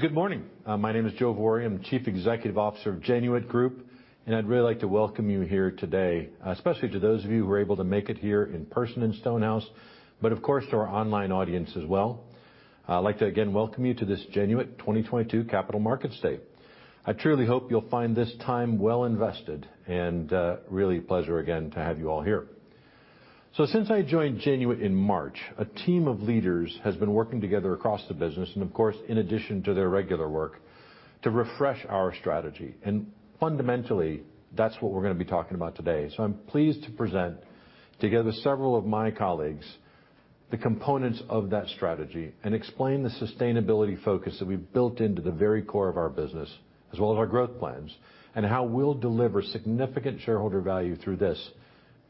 Good morning. My name is Joe Vorih. I'm Chief Executive Officer of Genuit Group. I'd treally like to welcome you here today, especially to those of you who were able to make it here in person in Stonehouse, but of course to our online audience as well. I'd like to again welcome you to this Genuit 2022 capital markets day. I truly hope you'll find this time well invested, really a pleasure again to have you all here. Since I joined Genuit in March, a team of leaders has been working together across the business, and of course, in addition to their regular work, to refresh our strategy. Fundamentally, that's what we're gonna be talking about today. I'm pleased to present together several of my colleagues, the components of that strategy, and explain the sustainability focus that we've built into the very core of our business, as well as our growth plans, and how we'll deliver significant shareholder value through this,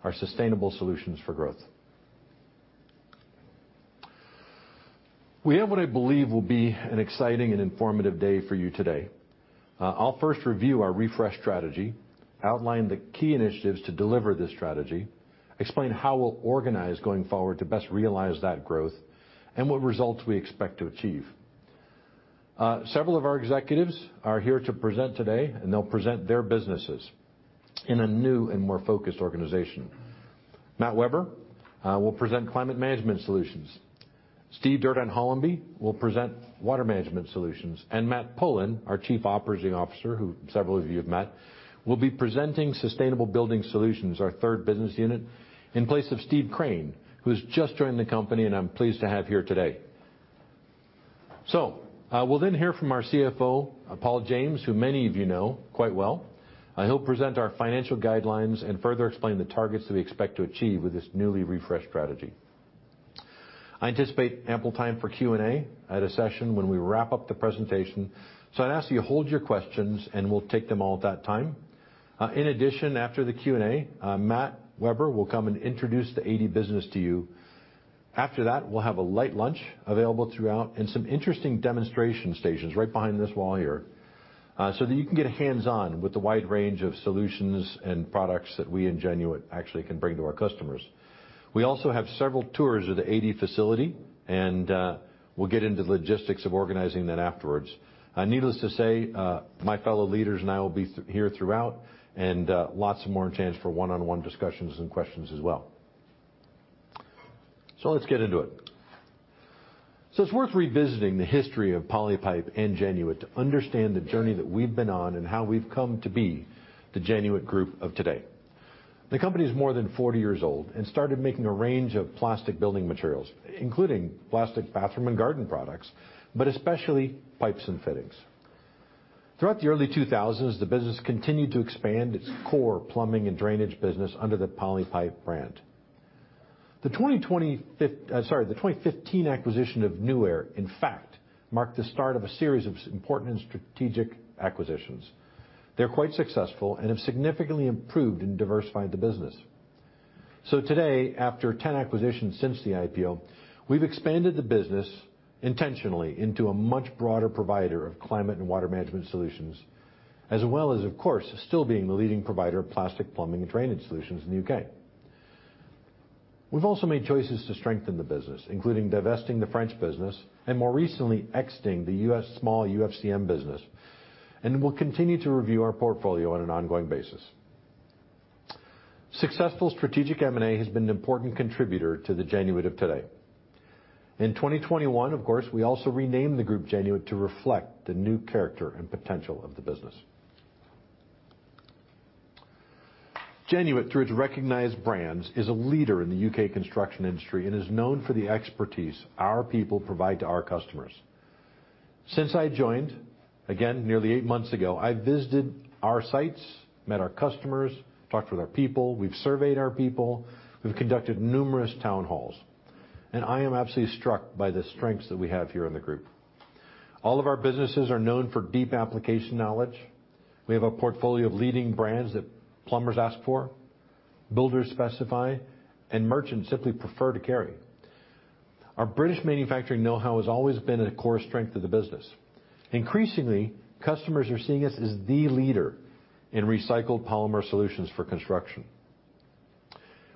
our sustainable solutions for growth. We have what I believe will be an exciting and informative day for you today. I'll first review our refresh strategy, outline the key initiatives to deliver this strategy, explain how we'll organize going forward to best realize that growth, and what results we expect to achieve. Several of our executives are here to present today, and they'll present their businesses in a new and more focused organization. Matt Weber will present Climate Management Solutions. Steve Durdant-Hollamby will present Water Management Solutions. Matt Pullen, our Chief Operating Officer, who several of you have met, will be presenting Sustainable Building Solutions, our third business unit, in place of Steve Currier, who's just joined the company and I'm pleased to have here today. We'll then hear from our CFO, Paul James, who many of you know quite well. He'll present our financial guidelines and further explain the targets that we expect to achieve with this newly refreshed strategy. I anticipate ample time for Q&A at a session when we wrap up the presentation, so I'd ask that you hold your questions and we'll take them all at that time. In addition, after the Q&A, Matthew Webber will come and introduce the Adey business to you. After that, we'll have a light lunch available throughout and some interesting demonstration stations right behind this wall here, so that you can get hands-on with the wide range of solutions and products that we in Genuit actually can bring to our customers. We also have several tours of the Adey facility, and we'll get into the logistics of organizing that afterwards. Needless to say, my fellow leaders and I will be here throughout, and lots more chance for one-on-one discussions and questions as well. Let's get into it. It's worth revisiting the history of Polypipe and Genuit to understand the journey that we've been on and how we've come to be the Genuit Group of today. The company is more than 40 years old and started making a range of plastic building materials, including plastic bathroom and garden products, but especially pipes and fittings. Throughout the early 2000s, the business continued to expand its core plumbing and drainage business under the Polypipe brand. The sorry, the 2015 acquisition of Nuaire, in fact, marked the start of a series of important and strategic acquisitions. They're quite successful and have significantly improved and diversified the business. Today, after 10 acquisitions since the IPO, we've expanded the business intentionally into a much broader provider of climate and water management solutions, as well as, of course, still being the leading provider of plastic plumbing and drainage solutions in the UK. We've also made choices to strengthen the business, including divesting the French business, more recently, exiting the U.S. small UFCM business, and we'll continue to review our portfolio on an ongoing basis. Successful strategic M&A has been an important contributor to the Genuit of today. In 2021, of course, we also renamed the group Genuit to reflect the new character and potential of the business. Genuit, through its recognized brands, is a leader in the U.K. construction industry and is known for the expertise our people provide to our customers. Since I joined, again, nearly 8 months ago, I visited our sites, met our customers, talked with our people. We've surveyed our people. We've conducted numerous town halls. I am absolutely struck by the strengths that we have here in the group. All of our businesses are known for deep application knowledge. We have a portfolio of leading brands that plumbers ask for, builders specify, and merchants simply prefer to carry. Our British manufacturing know-how has always been a core strength of the business. Increasingly, customers are seeing us as the leader in recycled polymer solutions for construction.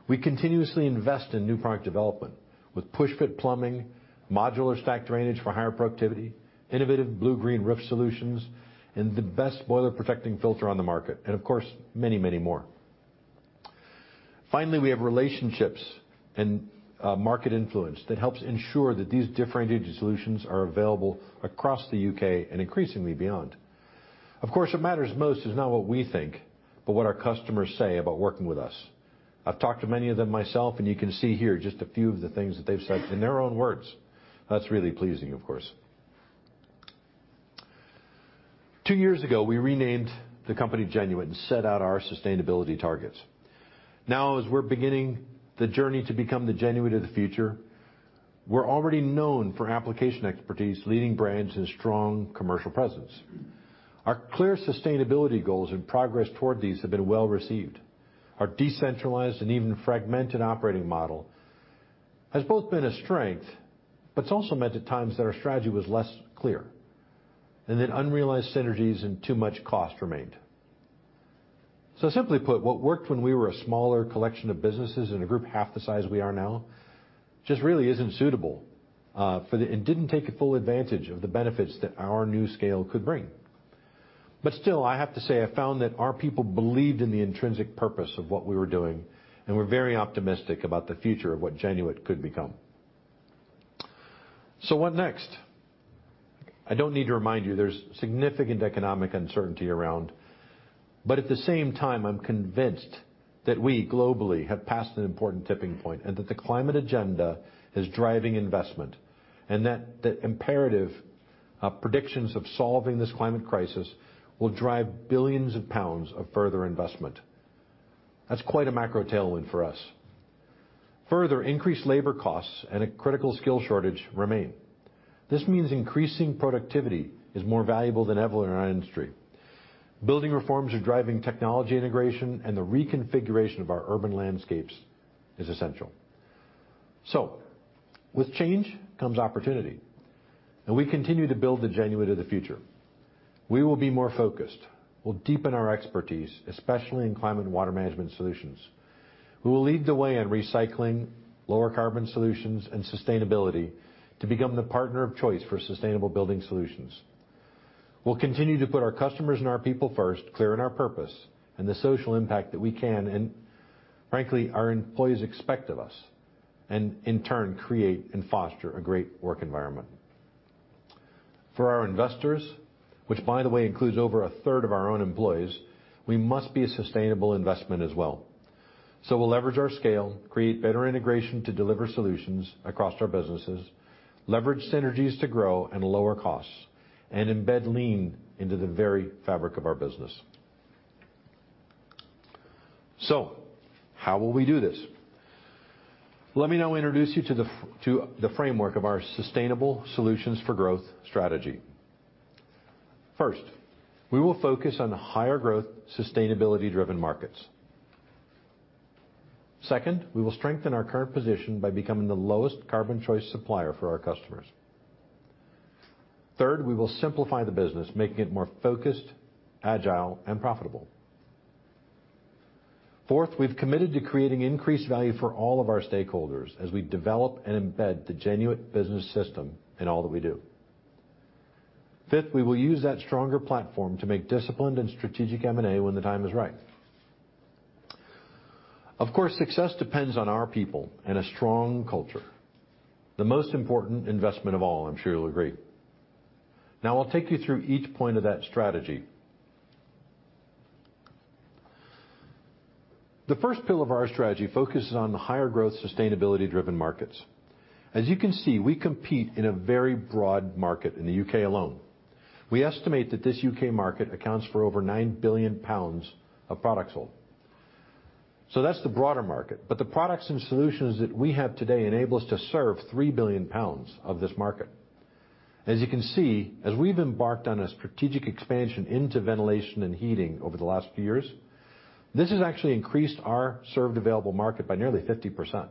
We continuously invest in new product development with push-fit plumbing, modular stack drainage for higher productivity, innovative blue-green roof solutions, and the best boiler protecting filter on the market, and of course, many, many more. Finally, we have relationships and market influence that helps ensure that these differentiated solutions are available across the U.K. and increasingly beyond. What matters most is not what we think, but what our customers say about working with us. I've talked to many of them myself, and you can see here just a few of the things that they've said in their own words. That's really pleasing, of course. 2 years ago, we renamed the company Genuit and set out our sustainability targets. Now, as we're beginning the journey to become the Genuit of the future, we're already known for application expertise, leading brands, and strong commercial presence. Our clear sustainability goals and progress toward these have been well received. Our decentralized and even fragmented operating model has both been a strength, but it's also meant at times that our strategy was less clear and that unrealized synergies and too much cost remained. Simply put, what worked when we were a smaller collection of businesses in a group half the size we are now just really isn't suitable, and didn't take a full advantage of the benefits that our new scale could bring. Still, I have to say, I found that our people believed in the intrinsic purpose of what we were doing and were very optimistic about the future of what Genuit could become. What next? I don't need to remind you there's significant economic uncertainty around, at the same time, I'm convinced that we globally have passed an important tipping point, that the climate agenda is driving investment. That the imperative of predictions of solving this climate crisis will drive billions pounds of further investment. That's quite a macro tailwind for us. Further, increased labor costs and a critical skill shortage remain. This means increasing productivity is more valuable than ever in our industry. Building reforms are driving technology integration and the reconfiguration of our urban landscapes is essential. With change comes opportunity, we continue to build the Genuit of the future. We will be more focused. We'll deepen our expertise, especially in Climate Management Solutions and Water Management Solutions. We will lead the way in recycling, lower carbon solutions, and sustainability to become the partner of choice for Sustainable Building Solutions. We'll continue to put our customers and our people first, clear in our purpose and the social impact that we can and frankly, our employees expect of us, and in turn, create and foster a great work environment. For our investors, which by the way, includes over a third of our own employees, we must be a sustainable investment as well. We'll leverage our scale, create better integration to deliver solutions across our businesses, leverage synergies to grow and lower costs, and embed lean into the very fabric of our business. How will we do this? Let me now introduce you to the framework of our sustainable solutions for growth strategy. First, we will focus on higher growth, sustainability-driven markets. Second, we will strengthen our current position by becoming the lowest carbon choice supplier for our customers. Third, we will simplify the business, making it more focused, agile, and profitable. Fourth, we've committed to creating increased value for all of our stakeholders as we develop and embed the Genuit Business System in all that we do. Fifth, we will use that stronger platform to make disciplined and strategic M&A when the time is right. Of course, success depends on our people and a strong culture, the most important investment of all, I'm sure you'll agree. I'll take you through each point of that strategy. The first pillar of our strategy focuses on the higher growth, sustainability-driven markets. As you can see, we compete in a very broad market in the UK alone. We estimate that this UK market accounts for over 9 billion pounds of products sold. That's the broader market. The products and solutions that we have today enable us to serve 3 billion pounds of this market. As you can see, as we've embarked on a strategic expansion into ventilation and heating over the last few years, this has actually increased our served available market by nearly 50%.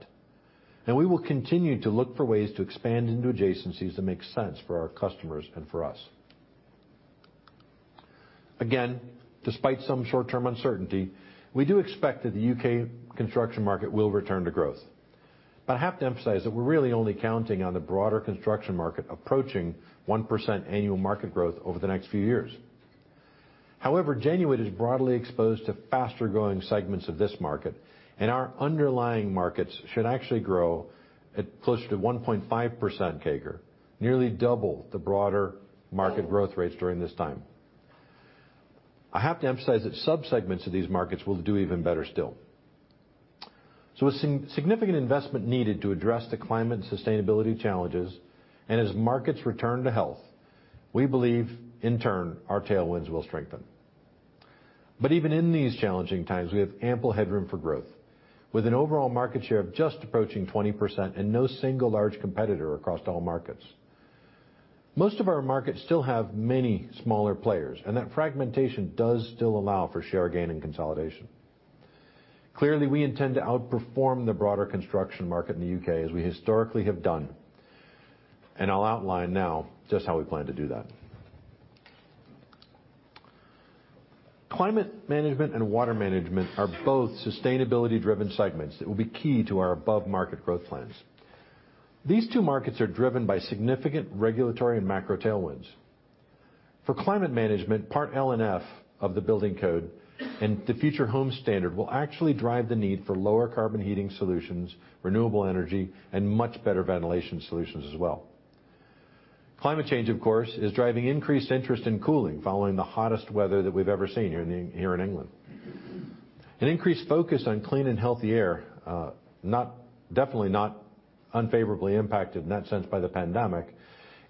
We will continue to look for ways to expand into adjacencies that make sense for our customers and for us. Again, despite some short-term uncertainty, we do expect that the UK construction market will return to growth. I have to emphasize that we're really only counting on the broader construction market approaching 1% annual market growth over the next few years. Genuit is broadly exposed to faster-growing segments of this market, and our underlying markets should actually grow at closer to 1.5% CAGR, nearly double the broader market growth rates during this time. I have to emphasize that subsegments of these markets will do even better still. A significant investment needed to address the climate and sustainability challenges, and as markets return to health, we believe in turn, our tailwinds will strengthen. Even in these challenging times, we have ample headroom for growth with an overall market share of just approaching 20% and no single large competitor across all markets. Most of our markets still have many smaller players, and that fragmentation does still allow for share gain and consolidation. Clearly, we intend to outperform the broader construction market in the UK as we historically have done, and I'll outline now just how we plan to do that. Climate management and water management are both sustainability-driven segments that will be key to our above-market growth plans. These two markets are driven by significant regulatory and macro tailwinds. For climate management, Part L and F of the building code and the Future Homes Standard will actually drive the need for lower carbon heating solutions, renewable energy, and much better ventilation solutions as well. Climate change, of course, is driving increased interest in cooling following the hottest weather that we've ever seen here in England. An increased focus on clean and healthy air, definitely not unfavorably impacted in that sense by the pandemic,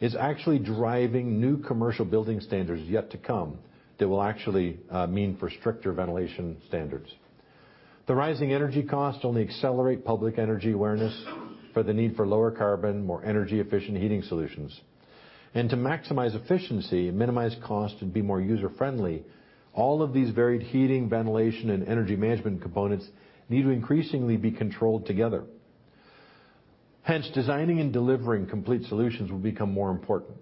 is actually driving new commercial building standards yet to come that will actually mean for stricter ventilation standards. The rising energy costs only accelerate public energy awareness for the need for lower carbon, more energy-efficient heating solutions. To maximize efficiency and minimize cost and be more user-friendly, all of these varied heating, ventilation, and energy management components need to increasingly be controlled together. Designing and delivering complete solutions will become more important,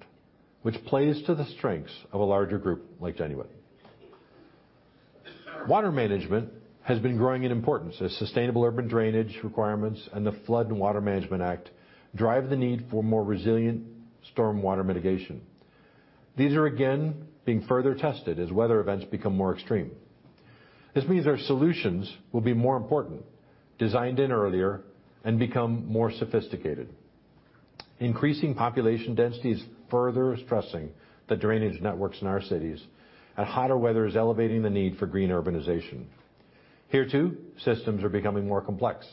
which plays to the strengths of a larger group like Genuit Group. Water management has been growing in importance as sustainable urban drainage requirements and the Flood and Water Management Act drive the need for more resilient storm water mitigation. These are, again, being further tested as weather events become more extreme. This means our solutions will be more important, designed in earlier and become more sophisticated. Increasing population density is further stressing the drainage networks in our cities, and hotter weather is elevating the need for green urbanization. Here too, systems are becoming more complex.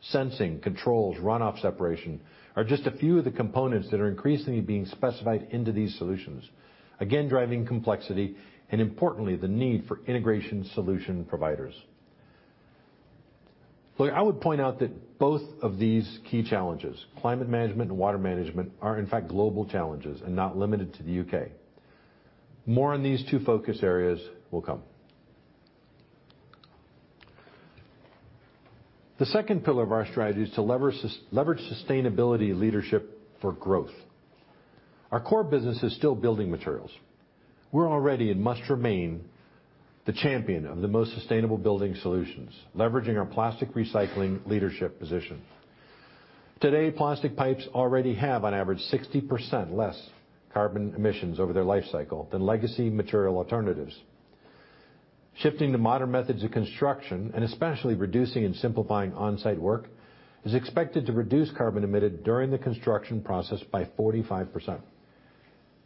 Sensing, controls, runoff separation are just a few of the components that are increasingly being specified into these solutions. Again, driving complexity and importantly, the need for integration solution providers. Look, I would point out that both of these key challenges, climate management and water management are in fact global challenges and not limited to the U.K. More on these two focus areas will come. The second pillar of our strategy is to leverage sustainability leadership for growth. Our core business is still building materials. We're already and must remain the champion of the most Sustainable Building Solutions, leveraging our plastic recycling leadership position. Today, plastic pipes already have on average 60% less carbon emissions over their life cycle than legacy material alternatives. Shifting to modern methods of construction, and especially reducing and simplifying on-site work, is expected to reduce carbon emitted during the construction process by 45%.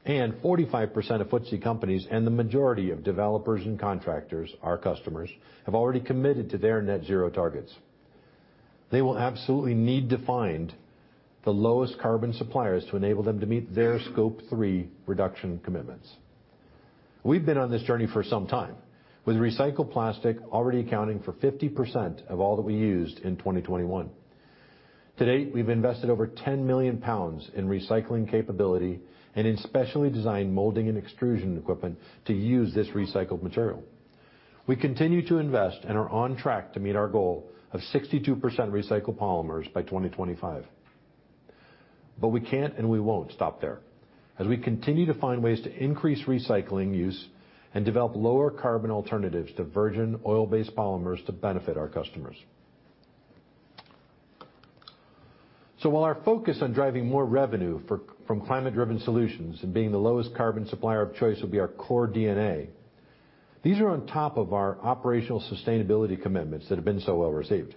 45% of FTSE companies and the majority of developers and contractors, our customers, have already committed to their net zero targets. They will absolutely need to find the lowest carbon suppliers to enable them to meet their Scope 3 reduction commitments. We've been on this journey for some time, with recycled plastic already accounting for 50% of all that we used in 2021. To date, we've invested over 10 million pounds in recycling capability and in specially designed molding and extrusion equipment to use this recycled material. We continue to invest and are on track to meet our goal of 62% recycled polymers by 2025. We can't, and we won't stop there, as we continue to find ways to increase recycling use and develop lower carbon alternatives to virgin oil-based polymers to benefit our customers. While our focus on driving more revenue from climate-driven solutions and being the lowest carbon supplier of choice will be our core DNA, these are on top of our operational sustainability commitments that have been so well received.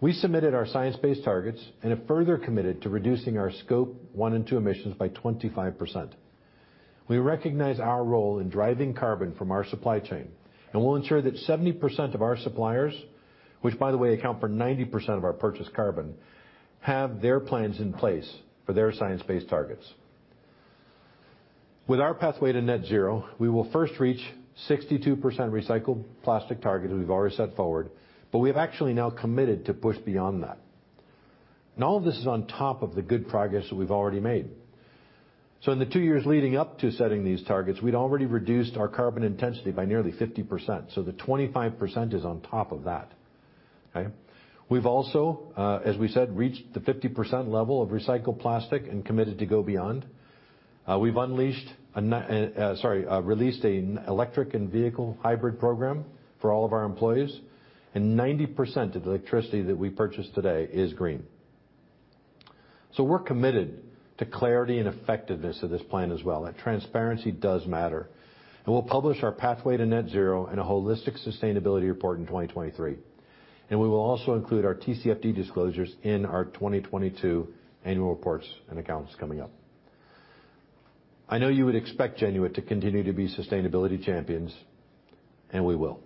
We submitted our science-based targets and have further committed to reducing our Scope 1 and 2 emissions by 25%. We recognize our role in driving carbon from our supply chain. We'll ensure that 70% of our suppliers, which by the way account for 90% of our purchase carbon, have their plans in place for their science-based targets. With our pathway to net zero, we will first reach 62% recycled plastic target we've already set forward, but we have actually now committed to push beyond that. All of this is on top of the good progress that we've already made. In the two years leading up to setting these targets, we'd already reduced our carbon intensity by nearly 50%, the 25% is on top of that. Okay? We've also, as we said, reached the 50% level of recycled plastic and committed to go beyond. We've released an electric and vehicle hybrid program for all of our employees, and 90% of the electricity that we purchase today is green. We're committed to clarity and effectiveness of this plan as well. That transparency does matter. We'll publish our pathway to net zero in a holistic sustainability report in 2023. We will also include our TCFD disclosures in our 2022 annual reports and accounts coming up. I know you would expect Genuit to continue to be sustainability champions, and we will.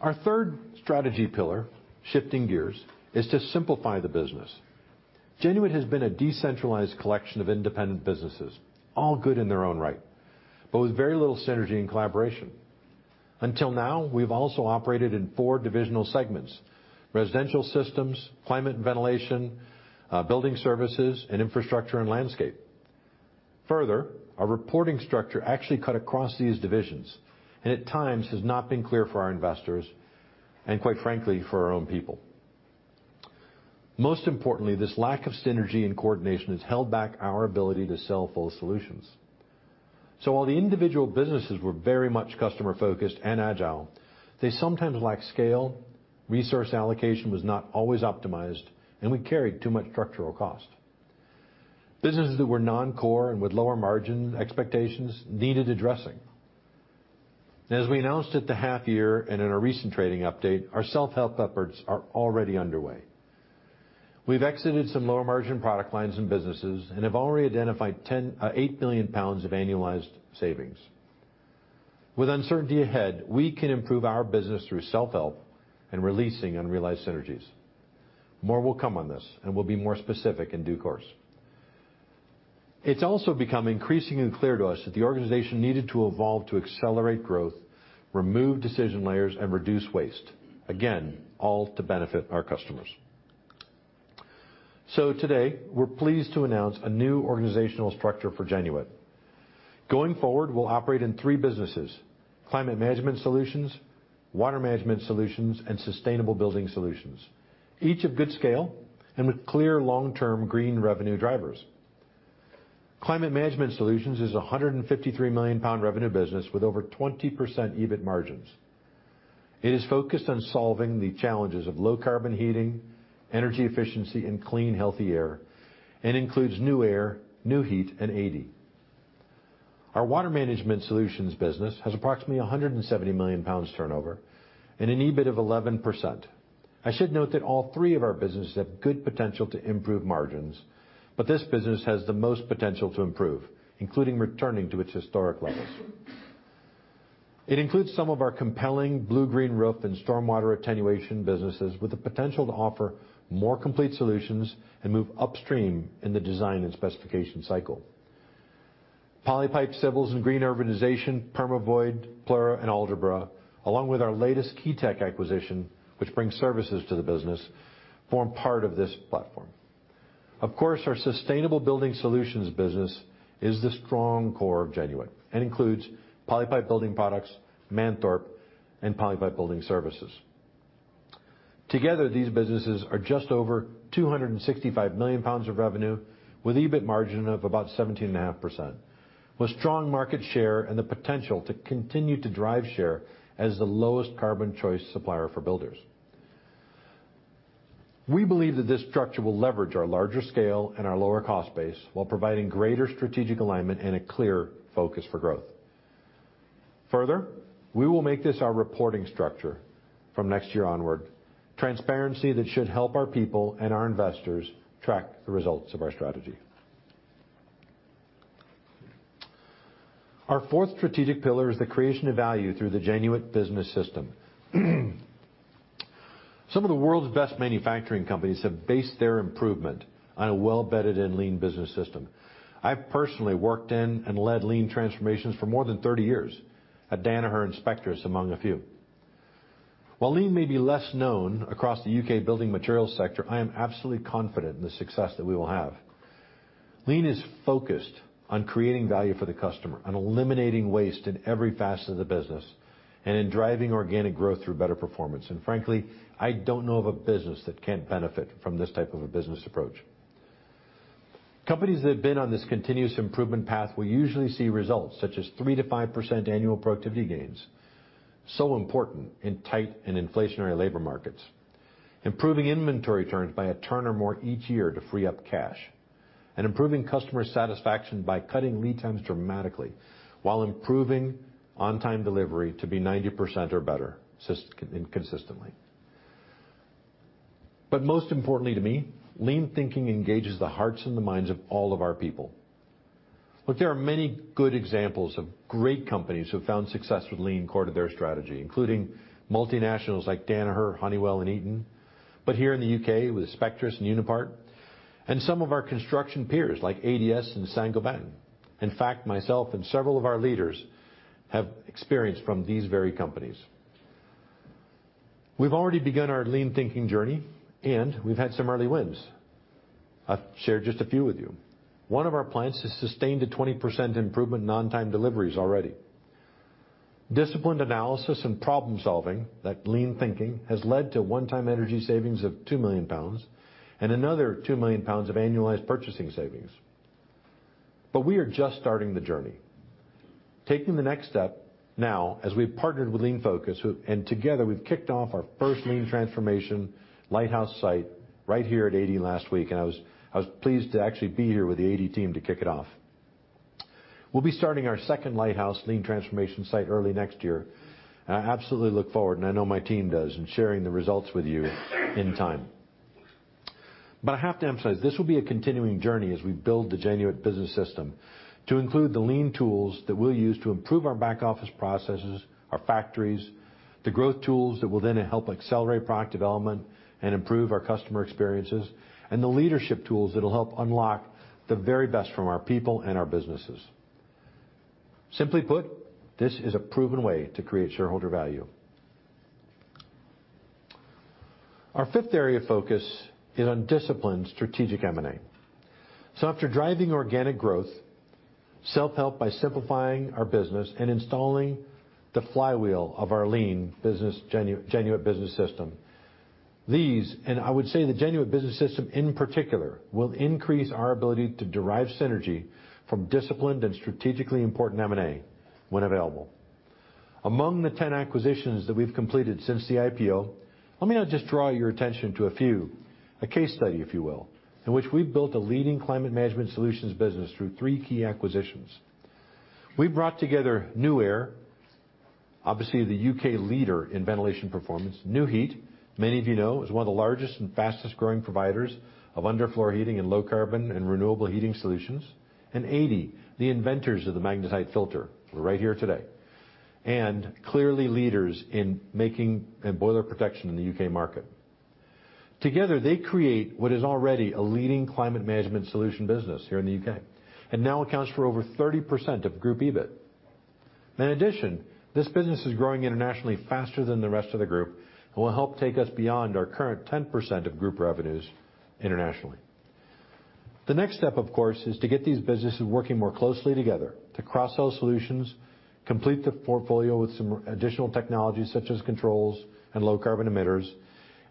Our third strategy pillar, shifting gears, is to simplify the business. Genuit has been a decentralized collection of independent businesses, all good in their own right, but with very little synergy and collaboration. Until now, we've also operated in four divisional segments: residential systems, climate and ventilation, building services, and infrastructure and landscape. Our reporting structure actually cut across these divisions, and at times has not been clear for our investors and quite frankly, for our own people. Most importantly, this lack of synergy and coordination has held back our ability to sell full solutions. While the individual businesses were very much customer-focused and agile, they sometimes lacked scale, resource allocation was not always optimized, and we carried too much structural cost. Businesses that were non-core and with lower margin expectations needed addressing. As we announced at the half year and in a recent trading update, our self-help efforts are already underway. We've exited some lower margin product lines and businesses and have already identified 8 million pounds of annualized savings. With uncertainty ahead, we can improve our business through self-help and releasing unrealized synergies. More will come on this, and we'll be more specific in due course. It's also become increasingly clear to us that the organization needed to evolve to accelerate growth, remove decision layers, and reduce waste. Again, all to benefit our customers. Today, we're pleased to announce a new organizational structure for Genuit. Going forward, we'll operate in three businesses: Climate Management Solutions, Water Management Solutions, and Sustainable Building Solutions. Each of good scale and with clear long-term green revenue drivers. Climate Management Solutions is a 153 million pound revenue business with over 20% EBIT margins. It is focused on solving the challenges of low carbon heating, energy efficiency, and clean, healthy air, and includes Nuaire, Nu-Heat, and Adey. Our Water Management Solutions business has approximately 170 million pounds turnover and an EBIT of 11%. I should note that all three of our businesses have good potential to improve margins, but this business has the most potential to improve, including returning to its historic levels. It includes some of our compelling blue-green roof and stormwater attenuation businesses with the potential to offer more complete solutions and move upstream in the design and specification cycle. Polypipe Civils & Green Urbanisation, Permavoid, Plura, and Algebra, along with our latest Keytec acquisition, which brings services to the business, form part of this platform. Of course, our Sustainable Building Solutions business is the strong core of Genuit and includes Polypipe Building Products, Manthorpe, and Polypipe Building Services. Together, these businesses are just over 265 million pounds of revenue with EBIT margin of about 17.5%, with strong market share and the potential to continue to drive share as the lowest carbon choice supplier for builders. We believe that this structure will leverage our larger scale and our lower cost base while providing greater strategic alignment and a clear focus for growth. We will make this our reporting structure from next year onward, transparency that should help our people and our investors track the results of our strategy. Our fourth strategic pillar is the creation of value through the Genuit Business System. Some of the world's best manufacturing companies have based their improvement on a well-bedded and lean business system. I personally worked in and led lean transformations for more than 30 years at Danaher and Spectris, among a few. While lean may be less known across the U.K. building materials sector, I am absolutely confident in the success that we will have. Lean is focused on creating value for the customer, on eliminating waste in every facet of the business, and in driving organic growth through better performance. Frankly, I don't know of a business that can't benefit from this type of a business approach. Companies that have been on this continuous improvement path will usually see results such as 3%-5% annual productivity gains, so important in tight and inflationary labor markets. Improving inventory turns by a turn or more each year to free up cash. Improving customer satisfaction by cutting lead times dramatically while improving on-time delivery to be 90% or better consistently. Most importantly to me, lean thinking engages the hearts and the minds of all of our people. Look, there are many good examples of great companies who have found success with lean core to their strategy, including multinationals like Danaher, Honeywell, and Eaton. Here in the U.K., with Spectris and Unipart, and some of our construction peers like ADS and Saint-Gobain. In fact, myself and several of our leaders have experience from these very companies. We've already begun our lean thinking journey, and we've had some early wins. I've shared just a few with you. One of our plants has sustained a 20% improvement in on-time deliveries already. Disciplined analysis and problem-solving, that lean thinking, has led to one-time energy savings of 2 million pounds and another 2 million pounds of annualized purchasing savings. We are just starting the journey. Taking the next step now as we've partnered with Lean Focus, who and together, we've kicked off our first lean transformation lighthouse site right here at Adey last week. I was pleased to actually be here with the Adey team to kick it off. We'll be starting our second lighthouse lean transformation site early next year. I absolutely look forward, and I know my team does, in sharing the results with you in time. I have to emphasize, this will be a continuing journey as we build the Genuit Business System to include the lean tools that we'll use to improve our back office processes, our factories, the growth tools that will then help accelerate product development and improve our customer experiences, and the leadership tools that will help unlock the very best from our people and our businesses. Simply put, this is a proven way to create shareholder value. Our fifth area of focus is on disciplined strategic M&A. After driving organic growth, self-help by simplifying our business and installing the flywheel of our lean business, Genuit Business System, these, and I would say the Genuit Business System in particular, will increase our ability to derive synergy from disciplined and strategically important M&A when available. Among the 10 acquisitions that we've completed since the IPO, let me now just draw your attention to a few, a case study, if you will, in which we've built a leading Climate Management Solutions business through three key acquisitions. We brought together Nuaire, obviously the U.K. leader in ventilation performance. Nu-Heat, many of you know, is one of the largest and fastest-growing providers of underfloor heating and low carbon and renewable heating solutions. Adey, the inventors of the magnetite filter, right here today, and clearly leaders in making and boiler protection in the U.K. market. Together, they create what is already a leading Climate Management Solutions business here in the U.K., and now accounts for over 30% of group EBIT. In addition, this business is growing internationally faster than the rest of the group and will help take us beyond our current 10% of group revenues internationally. The next step, of course, is to get these businesses working more closely together to cross-sell solutions, complete the portfolio with some additional technologies such as controls and low carbon emitters,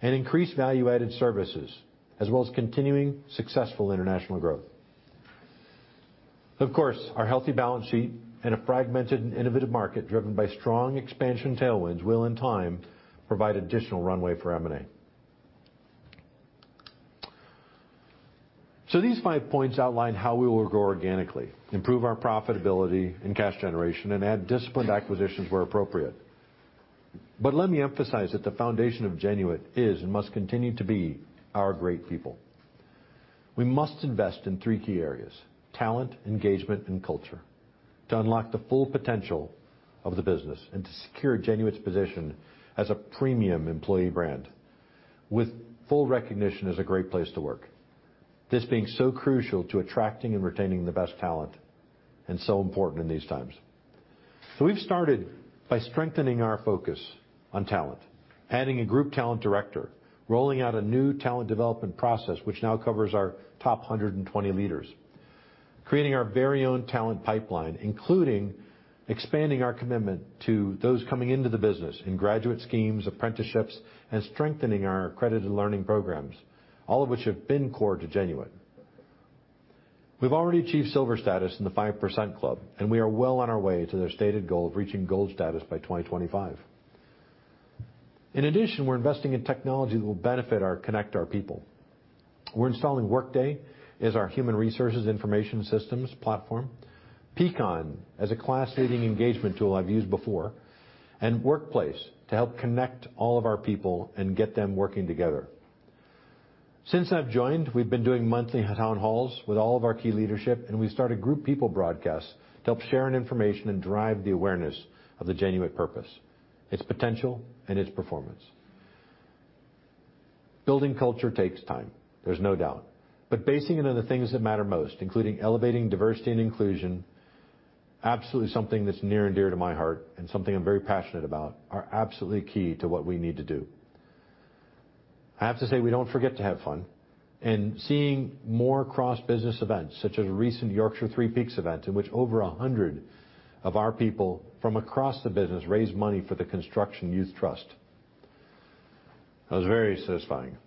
and increase value-added services, as well as continuing successful international growth. Our healthy balance sheet and a fragmented and innovative market driven by strong expansion tailwinds will, in time, provide additional runway for M&A. These five points outline how we will grow organically, improve our profitability and cash generation, and add disciplined acquisitions where appropriate. Let me emphasize that the foundation of Genuit is, and must continue to be, our great people. We must invest in three key areas: talent, engagement, and culture, to unlock the full potential of the business and to secure Genuit's position as a premium employee brand with full recognition as a great place to work, this being so crucial to attracting and retaining the best talent and so important in these times. We've started by strengthening our focus on talent, adding a group talent director, rolling out a new talent development process which now covers our top 120 leaders, creating our very own talent pipeline, including expanding our commitment to those coming into the business in graduate schemes, apprenticeships, and strengthening our accredited learning programs, all of which have been core to Genuit. We've already achieved silver status in The 5% Club, and we are well on our way to their stated goal of reaching gold status by 2025. In addition, we're investing in technology that will connect our people. We're installing Workday as our human resources information systems platform, Peakon as a class-leading engagement tool I've used before, and Workplace to help connect all of our people and get them working together. Since I've joined, we've been doing monthly town halls with all of our key leadership. We started group people broadcasts to help share information and drive the awareness of the Genuit purpose, its potential, and its performance. Building culture takes time. There's no doubt. Basing it on the things that matter most, including elevating diversity and inclusion, absolutely something that's near and dear to my heart and something I'm very passionate about, are absolutely key to what we need to do. I have to say, we don't forget to have fun. Seeing more cross-business events, such as a recent Yorkshire Three Peaks event in which over 100 of our people from across the business raised money for the Construction Youth Trust. That was very satisfying.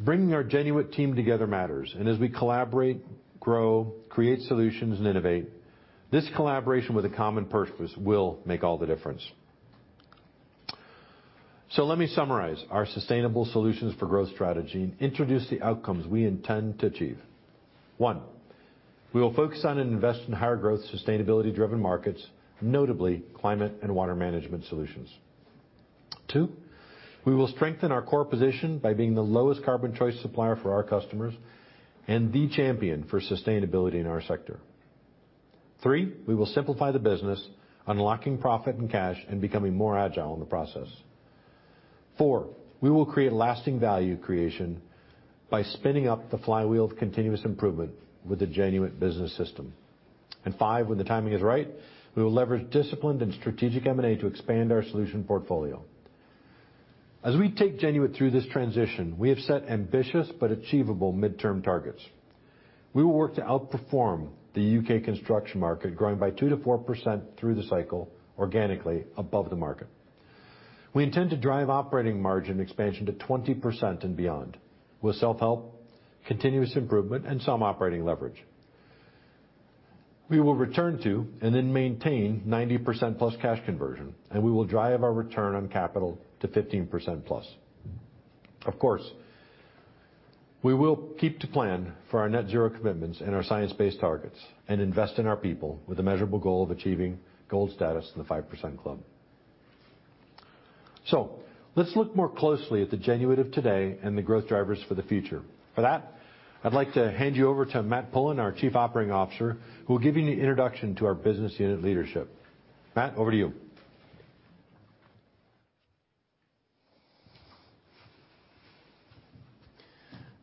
Bringing our Genuit team together matters, as we collaborate, grow, create solutions, and innovate, this collaboration with a common purpose will make all the difference. Let me summarize our sustainable solutions for growth strategy and introduce the outcomes we intend to achieve. One, we will focus on and invest in higher growth, sustainability-driven markets, notably Climate Management Solutions and Water Management Solutions. Two, we will strengthen our core position by being the lowest carbon choice supplier for our customers and the champion for sustainability in our sector. Three, we will simplify the business, unlocking profit and cash, and becoming more agile in the process. Four, we will create lasting value creation by spinning up the flywheel of continuous improvement with the Genuit Business System. Five, when the timing is right, we will leverage disciplined and strategic M&A to expand our solution portfolio. As we take Genuit through this transition, we have set ambitious but achievable midterm targets. We will work to outperform the U.K. construction market, growing by 2%-4% through the cycle organically above the market. We intend to drive operating margin expansion to 20% and beyond with self-help, continuous improvement, and some operating leverage. We will return to and then maintain 90%+ cash conversion, and we will drive our return on capital to 15%+. Of course, we will keep to plan for our net zero commitments and our science-based targets and invest in our people with a measurable goal of achieving gold status in The 5% Club. Let's look more closely at the Genuit of today and the growth drivers for the future. For that, I'd like to hand you over to Matt Pullen, our Chief Operating Officer, who will give you an introduction to our business unit leadership. Matt, over to you.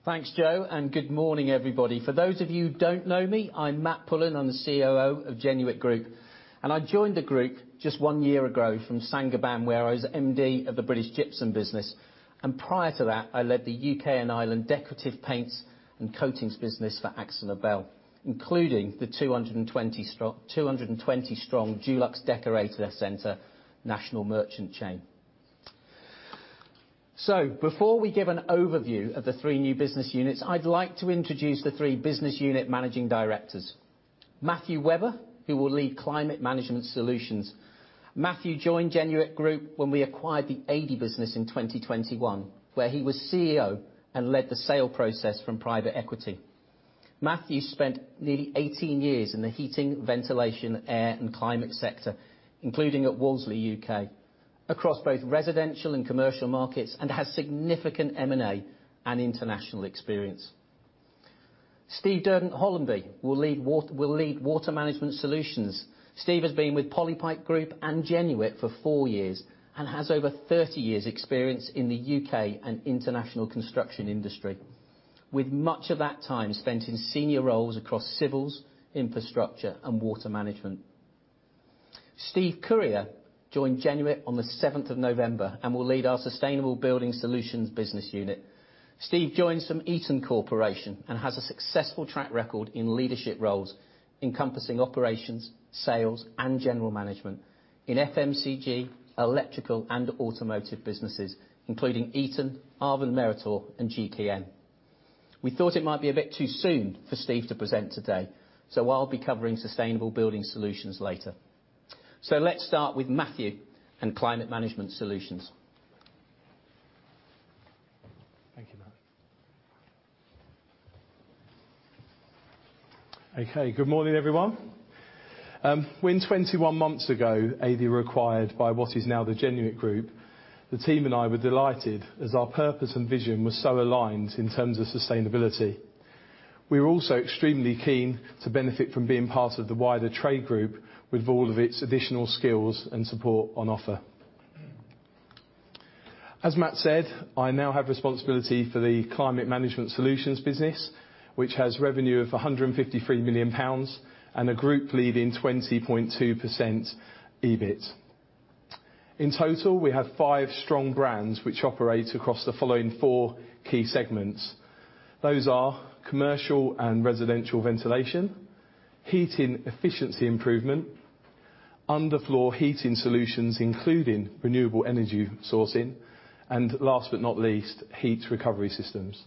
Thanks, Joe, good morning, everybody. For those of you who don't know me, I'm Matt Pullen. I'm the COO of Genuit Group, I joined the group just one year ago from Saint-Gobain, where I was MD of the British Gypsum business. Prior to that, I led the U.K. and Ireland decorative paints and coatings business for AkzoNobel, including the 220 strong Dulux Decorator Center national merchant chain. Before we give an overview of the three new business units, I'd like to introduce the three business unit managing directors. Matthew Webber, who will lead Climate Management Solutions. Matthew joined Genuit Group when we acquired the Adey business in 2021, where he was CEO and led the sale process from private equity. Matthew spent nearly 18 years in the heating, ventilation, air, and climate sector, including at Wolseley UK, across both residential and commercial markets, and has significant M&A and international experience. Steve Durdant-Hollamby will lead Water Management Solutions. Steve has been with Polypipe Group and Genuit for 4 years and has over 30 years' experience in the UK and international construction industry. With much of that time spent in senior roles across civils, infrastructure, and water management. Steve Currier joined Genuit on the 7th of November, will lead our Sustainable Building Solutions unit. Steve joins from Eaton Corporation has a successful track record in leadership roles encompassing operations, sales, and general management in FMCG, electrical, and automotive businesses, including Eaton, ArvinMeritor, and GKN. We thought it might be a bit too soon for Steve to present today, I'll be covering Sustainable Building Solutions later. let's start with Matthew and Climate Management Solutions. Thank you, Matt. Okay, good morning, everyone. When 21 months ago, AVA acquired by what is now the Genuit Group, the team and I were delighted as our purpose and vision was so aligned in terms of sustainability. We're also extremely keen to benefit from being part of the wider trade group with all of its additional skills and support on offer. As Matt said, I now have responsibility for the Climate Management Solutions business, which has revenue of 153 million pounds, and a group leading 20.2% EBIT. In total, we have five strong brands which operate across the following four key segments. Those are commercial and residential ventilation, heating efficiency improvement, underfloor heating solutions, including renewable energy sourcing, and last but not least, heat recovery systems.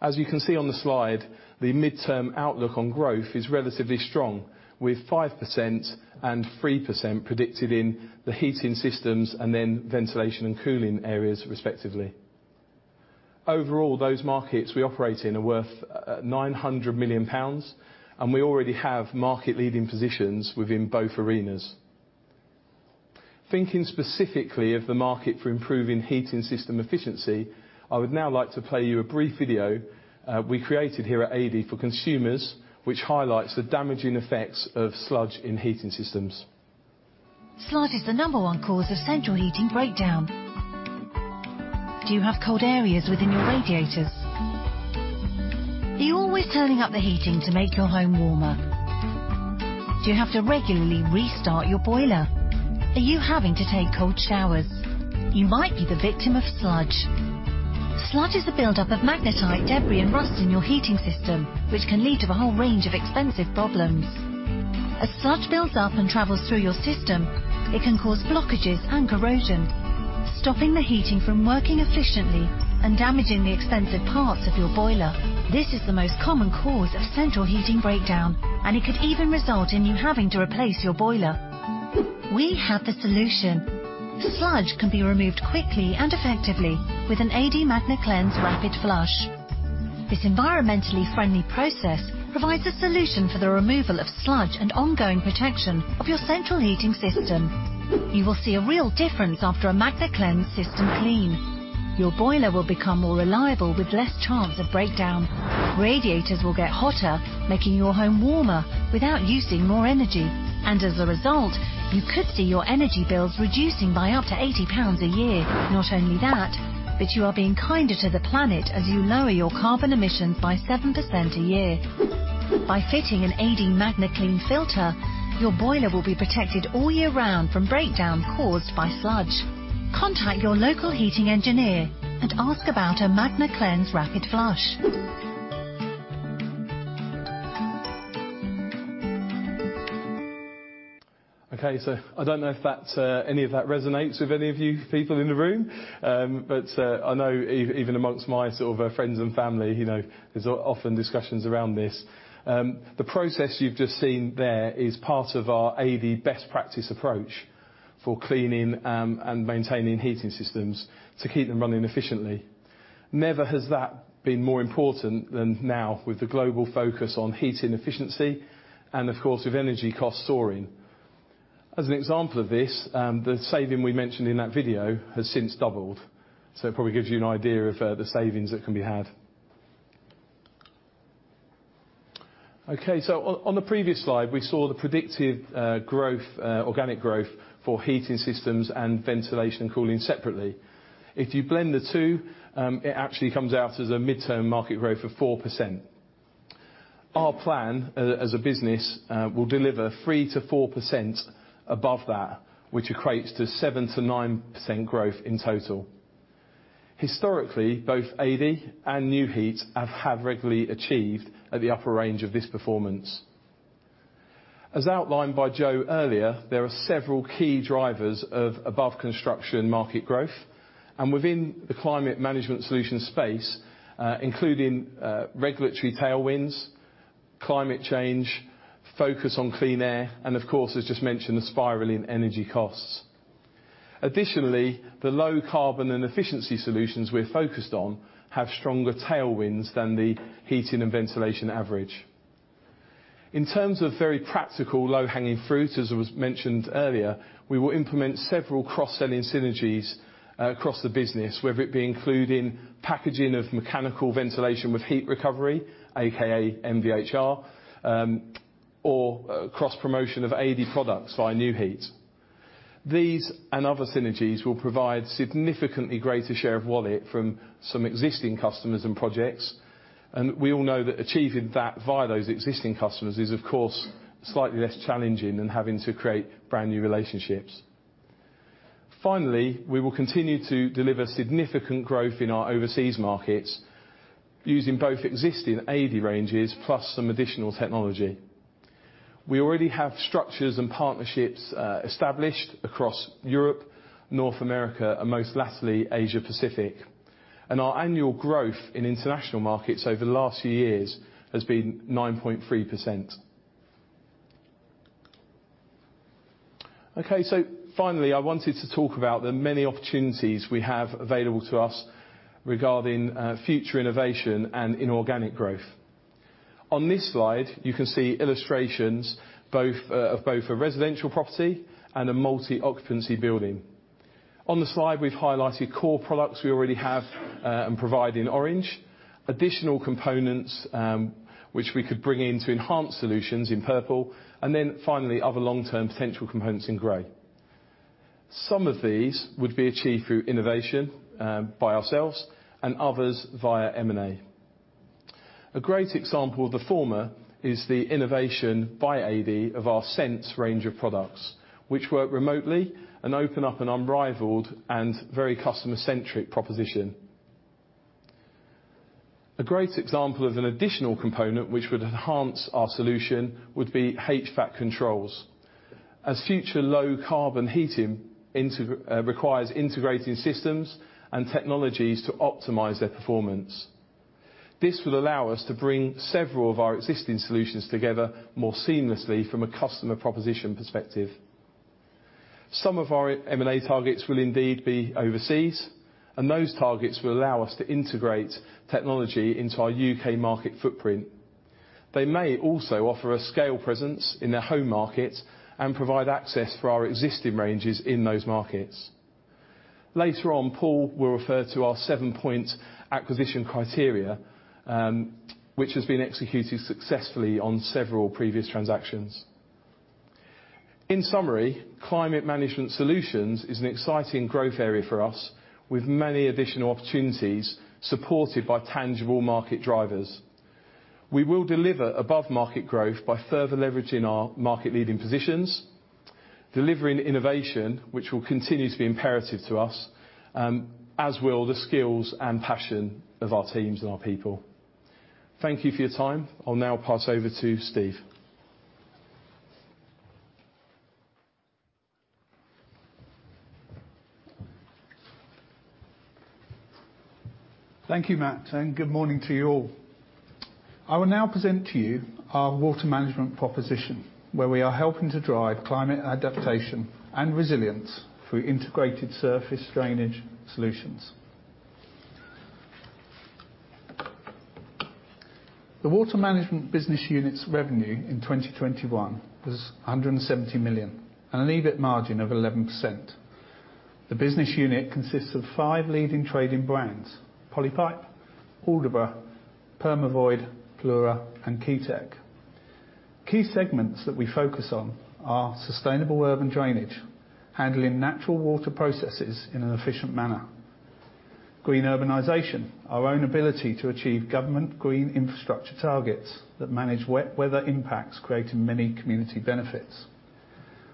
As you can see on the slide, the midterm outlook on growth is relatively strong with 5% and 3% predicted in the heating systems and then ventilation and cooling areas respectively. Overall, those markets we operate in are worth 900 million pounds, and we already have market leading positions within both arenas. Thinking specifically of the market for improving heating system efficiency, I would now like to play you a brief video we created here at AVA for consumers, which highlights the damaging effects of sludge in heating systems. Sludge is the number one cause of central heating breakdown. Do you have cold areas within your radiators? Are you always turning up the heating to make your home warmer? Do you have to regularly restart your boiler? Are you having to take cold showers? You might be the victim of sludge. Sludge is the buildup of magnetite, debris, and rust in your heating system, which can lead to a whole range of expensive problems. As sludge builds up and travels through your system, it can cause blockages and corrosion, stopping the heating from working efficiently and damaging the expensive parts of your boiler. This is the most common cause of central heating breakdown, and it could even result in you having to replace your boiler. We have the solution. Sludge can be removed quickly and effectively with an ADEY MagnaCleanse RapidFlush. This environmentally friendly process provides a solution for the removal of sludge and ongoing protection of your central heating system. You will see a real difference after a MagnaCleanse system clean. Your boiler will become more reliable with less chance of breakdown. Radiators will get hotter, making your home warmer without using more energy, and as a result, you could see your energy bills reducing by up to 80 pounds a year. You are being kinder to the planet as you lower your carbon emissions by 7% a year. By fitting an ADEY MagnaCleanse filter, your boiler will be protected all year round from breakdown caused by sludge. Contact your local heating engineer and ask about a MagnaCleanse RapidFlush. Okay. I don't know if that any of that resonates with any of you people in the room. I know even amongst my sort of friends and family, there's often discussions around this. The process you've just seen there is part of our AV best practice approach for cleaning and maintaining heating systems to keep them running efficiently. Never has that been more important than now with the global focus on heating efficiency and, of course, with energy costs soaring. As an example of this, the saving we mentioned in that video has since doubled. It probably gives you an idea of the savings that can be had. Okay. On the previous slide, we saw the predicted growth, organic growth for heating systems and ventilation and cooling separately. If you blend the two, it actually comes out as a midterm market growth of 4%. Our plan as a business will deliver 3%-4% above that, which equates to 7%-9% growth in total. Historically, both AV and Nu-Heat have regularly achieved at the upper range of this performance. As outlined by Joe earlier, there are several key drivers of above construction market growth, and within the Climate Management Solutions space, including regulatory tailwinds, climate change, focus on clean air, and of course, as just mentioned, the spiraling energy costs. Additionally, the low carbon and efficiency solutions we're focused on have stronger tailwinds than the heating and ventilation average. In terms of very practical low-hanging fruit, as was mentioned earlier, we will implement several cross-selling synergies across the business, whether it be including packaging of mechanical ventilation with heat recovery, aka MVHR, or cross promotion of AD products via Nu-Heat. These and other synergies will provide significantly greater share of wallet from some existing customers and projects, and we all know that achieving that via those existing customers is, of course, slightly less challenging than having to create brand-new relationships. Finally, we will continue to deliver significant growth in our overseas markets using both existing AV ranges plus some additional technology. We already have structures and partnerships established across Europe, North America, and most latterly, Asia Pacific, and our annual growth in international markets over the last few years has been 9.3%. Okay, finally, I wanted to talk about the many opportunities we have available to us regarding future innovation and inorganic growth. On this slide, you can see illustrations both of both a residential property and a multi-occupancy building. On the slide we've highlighted core products we already have and provide in orange, additional components which we could bring in to enhance solutions in purple, and then finally, other long-term potential components in gray. Some of these would be achieved through innovation by ourselves and others via M&A. A great example of the former is the innovation by AD of our Sense range of products, which work remotely and open up an unrivaled and very customer-centric proposition. A great example of an additional component which would enhance our solution would be HVAC controls as future low carbon heating requires integrating systems and technologies to optimize their performance. This will allow us to bring several of our existing solutions together more seamlessly from a customer proposition perspective. Some of our M&A targets will indeed be overseas. Those targets will allow us to integrate technology into our UK market footprint. They may also offer a scale presence in their home market and provide access for our existing ranges in those markets. Later on, Paul will refer to our seven-point acquisition criteria, which has been executed successfully on several previous transactions. In summary, Climate Management Solutions is an exciting growth area for us with many additional opportunities supported by tangible market drivers. We will deliver above-market growth by further leveraging our market-leading positions, delivering innovation, which will continue to be imperative to us, as will the skills and passion of our teams and our people. Thank you for your time. I'll now pass over to Steve. Thank you, Matt, and good morning to you all. I will now present to you our water management proposition, where we are helping to drive climate adaptation and resilience through integrated surface drainage solutions. The Water Management Solutions business unit's revenue in 2021 was 170 million and an EBIT margin of 11%. The business unit consists of five leading trading brands: Polypipe, Aldera, Permavoid, Plura, and Keytec. Key segments that we focus on are sustainable urban drainage, handling natural water processes in an efficient manner. Green urbanization, our own ability to achieve government green infrastructure targets that manage wet weather impacts, creating many community benefits.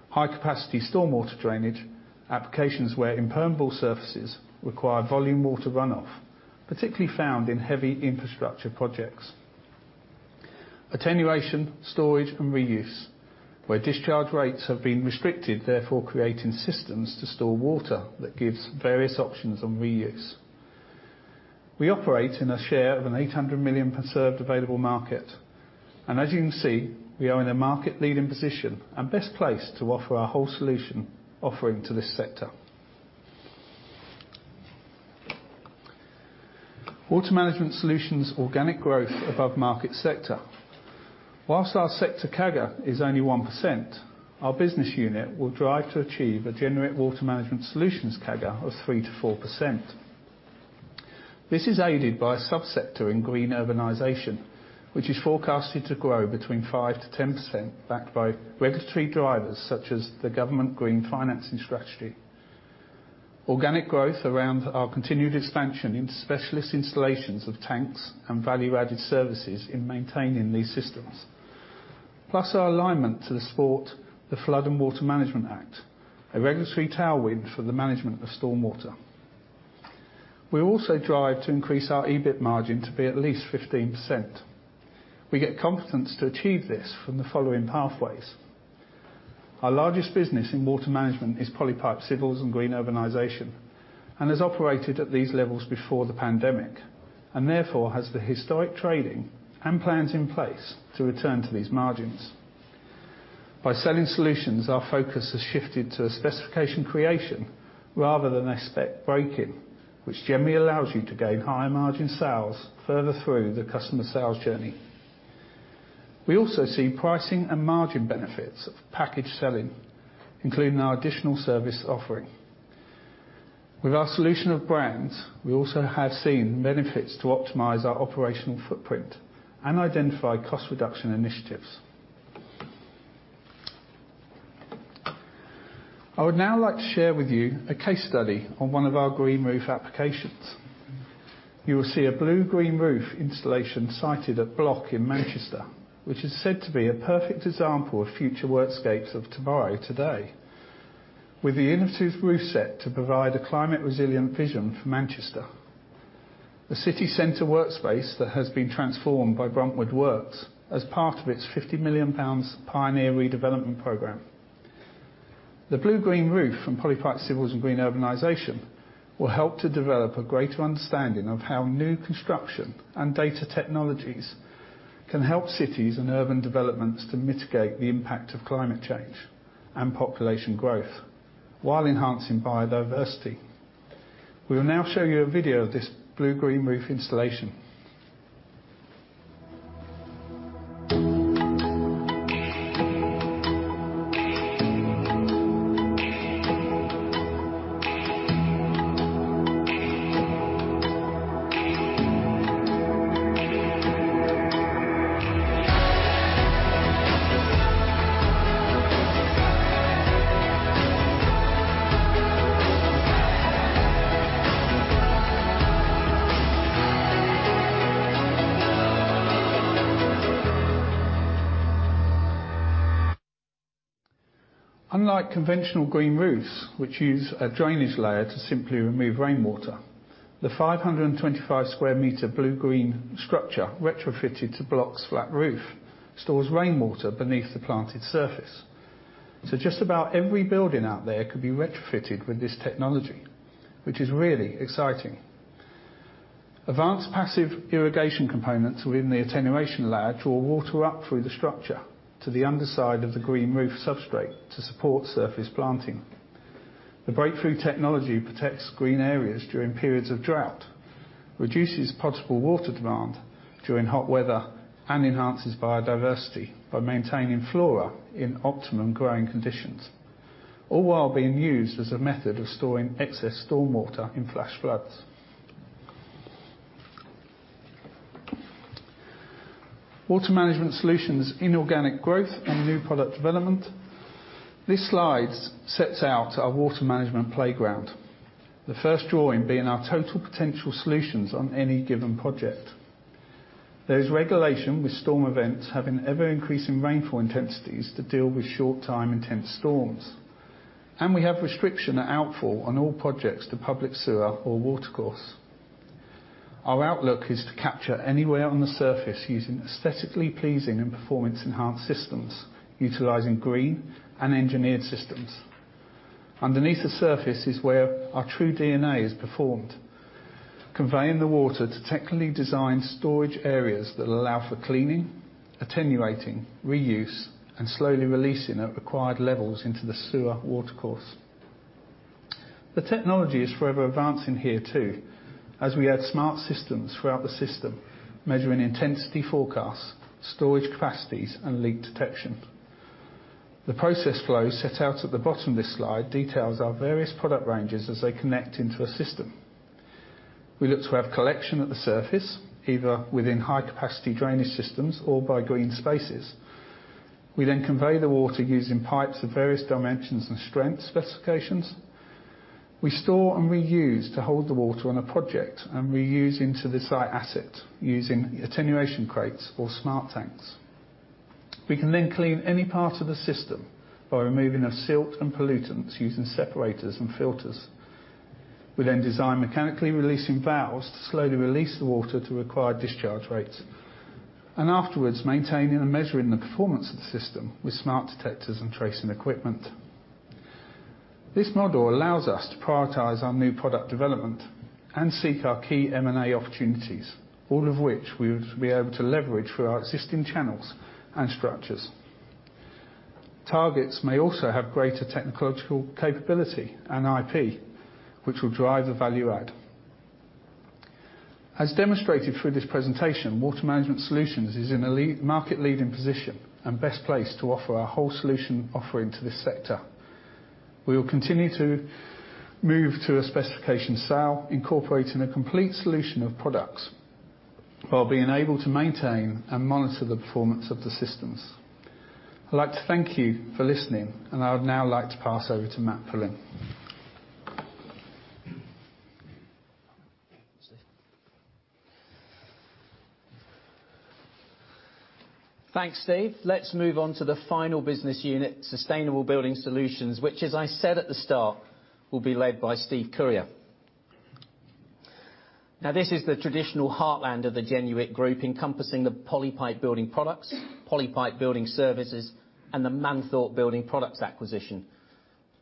High-capacity stormwater drainage, applications where impermeable surfaces require volume water runoff, particularly found in heavy infrastructure projects. Attenuation, storage, and reuse, where discharge rates have been restricted, therefore creating systems to store water that gives various options on reuse. We operate in a share of an 800 million preserved available market, and as you can see, we are in a market-leading position and best placed to offer our whole-solution offering to this sector. Water Management Solutions organic growth above market sector. Whilst our sector CAGR is only 1%, our business unit will drive to achieve a Genuit Water Management Solutions CAGR of 3%-4%. This is aided by a subsector in green urbanization, which is forecasted to grow between 5%-10%, backed by regulatory drivers such as the government Green Finance Strategy. Organic growth around our continued expansion into specialist installations of tanks and value-added services in maintaining these systems. Our alignment to the support the Flood and Water Management Act, a regulatory tailwind for the management of stormwater. We also drive to increase our EBIT margin to be at least 15%. We get confidence to achieve this from the following pathways. Our largest business in water management is Polypipe Civils & Green Urbanisation, and has operated at these levels before the pandemic, and therefore has the historic trading and plans in place to return to these margins. By selling solutions, our focus has shifted to a specification creation rather than a spec break-in, which generally allows you to gain higher margin sales further through the customer sales journey. We also see pricing and margin benefits of package selling, including our additional service offering. With our solution of brands, we also have seen benefits to optimize our operational footprint and identify cost reduction initiatives. I would now like to share with you a case study on one of our green roof applications. You will see a blue-green roof installation sited at Bloc in Manchester, which is said to be a perfect example of future workscapes of tomorrow, today. With the innovative roof set to provide a climate resilient vision for Manchester, the city center workspace that has been transformed by Bruntwood Works as part of its 50 million pounds pioneer redevelopment program. The blue-green roof from Polypipe Civils & Green Urbanisation will help to develop a greater understanding of how new construction and data technologies can help cities and urban developments to mitigate the impact of climate change and population growth while enhancing biodiversity. We will now show you a video of this blue-green roof installation. Unlike conventional green roofs, which use a drainage layer to simply remove rainwater, the 525 sq m blue-green structure retrofitted to Bloc's flat roof stores rainwater beneath the planted surface. Just about every building out there could be retrofitted with this technology, which is really exciting. Advanced passive irrigation components within the attenuation layer draw water up through the structure to the underside of the green roof substrate to support surface planting. The breakthrough technology protects green areas during periods of drought, reduces possible water demand during hot weather, and enhances biodiversity by maintaining flora in optimum growing conditions, all while being used as a method of storing excess storm water in flash floods. Water Management Solutions, inorganic growth and new product development. This slide sets out our water management playground. The first drawing being our total potential solutions on any given project. There's regulation with storm events having ever-increasing rainfall intensities to deal with short time intense storms. We have restriction at outfall on all projects to public sewer or watercourse. Our outlook is to capture anywhere on the surface using aesthetically pleasing and performance enhanced systems, utilizing green and engineered systems. Underneath the surface is where our true DNA is performed, conveying the water to technically design storage areas that allow for cleaning, attenuating, reuse, and slowly releasing at required levels into the sewer watercourse. The technology is forever advancing here too, as we add smart systems throughout the system, measuring intensity forecasts, storage capacities, and leak detection. The process flow set out at the bottom of this slide details our various product ranges as they connect into a system. We look to have collection at the surface, either within high-capacity drainage systems or by green spaces. We then convey the water using pipes of various dimensions and strength specifications. We store and reuse to hold the water on a project and reuse into the site asset using attenuation crates or smart tanks. We can then clean any part of the system by removing of silt and pollutants using separators and filters. We then design mechanically releasing valves to slowly release the water to required discharge rates, and afterwards, maintaining and measuring the performance of the system with smart detectors and tracing equipment. This model allows us to prioritize our new product development and seek our key M&A opportunities, all of which we would be able to leverage through our existing channels and structures. Targets may also have greater technological capability and IP, which will drive the value add. As demonstrated through this presentation, Water Management Solutions is in a market leading position and best placed to offer a whole solution offering to this sector. We will continue to move to a specification sale, incorporating a complete solution of products while being able to maintain and monitor the performance of the systems. I'd like to thank you for listening. I would now like to pass over to Matt Pullen. Thanks, Steve. Let's move on to the final business unit, Sustainable Building Solutions, which as I said at the start, will be led by Steve Currier. This is the traditional heartland of the Genuit Group, encompassing the Polypipe Building Products, Polypipe Building Services, and the Manthorpe Building Products acquisition,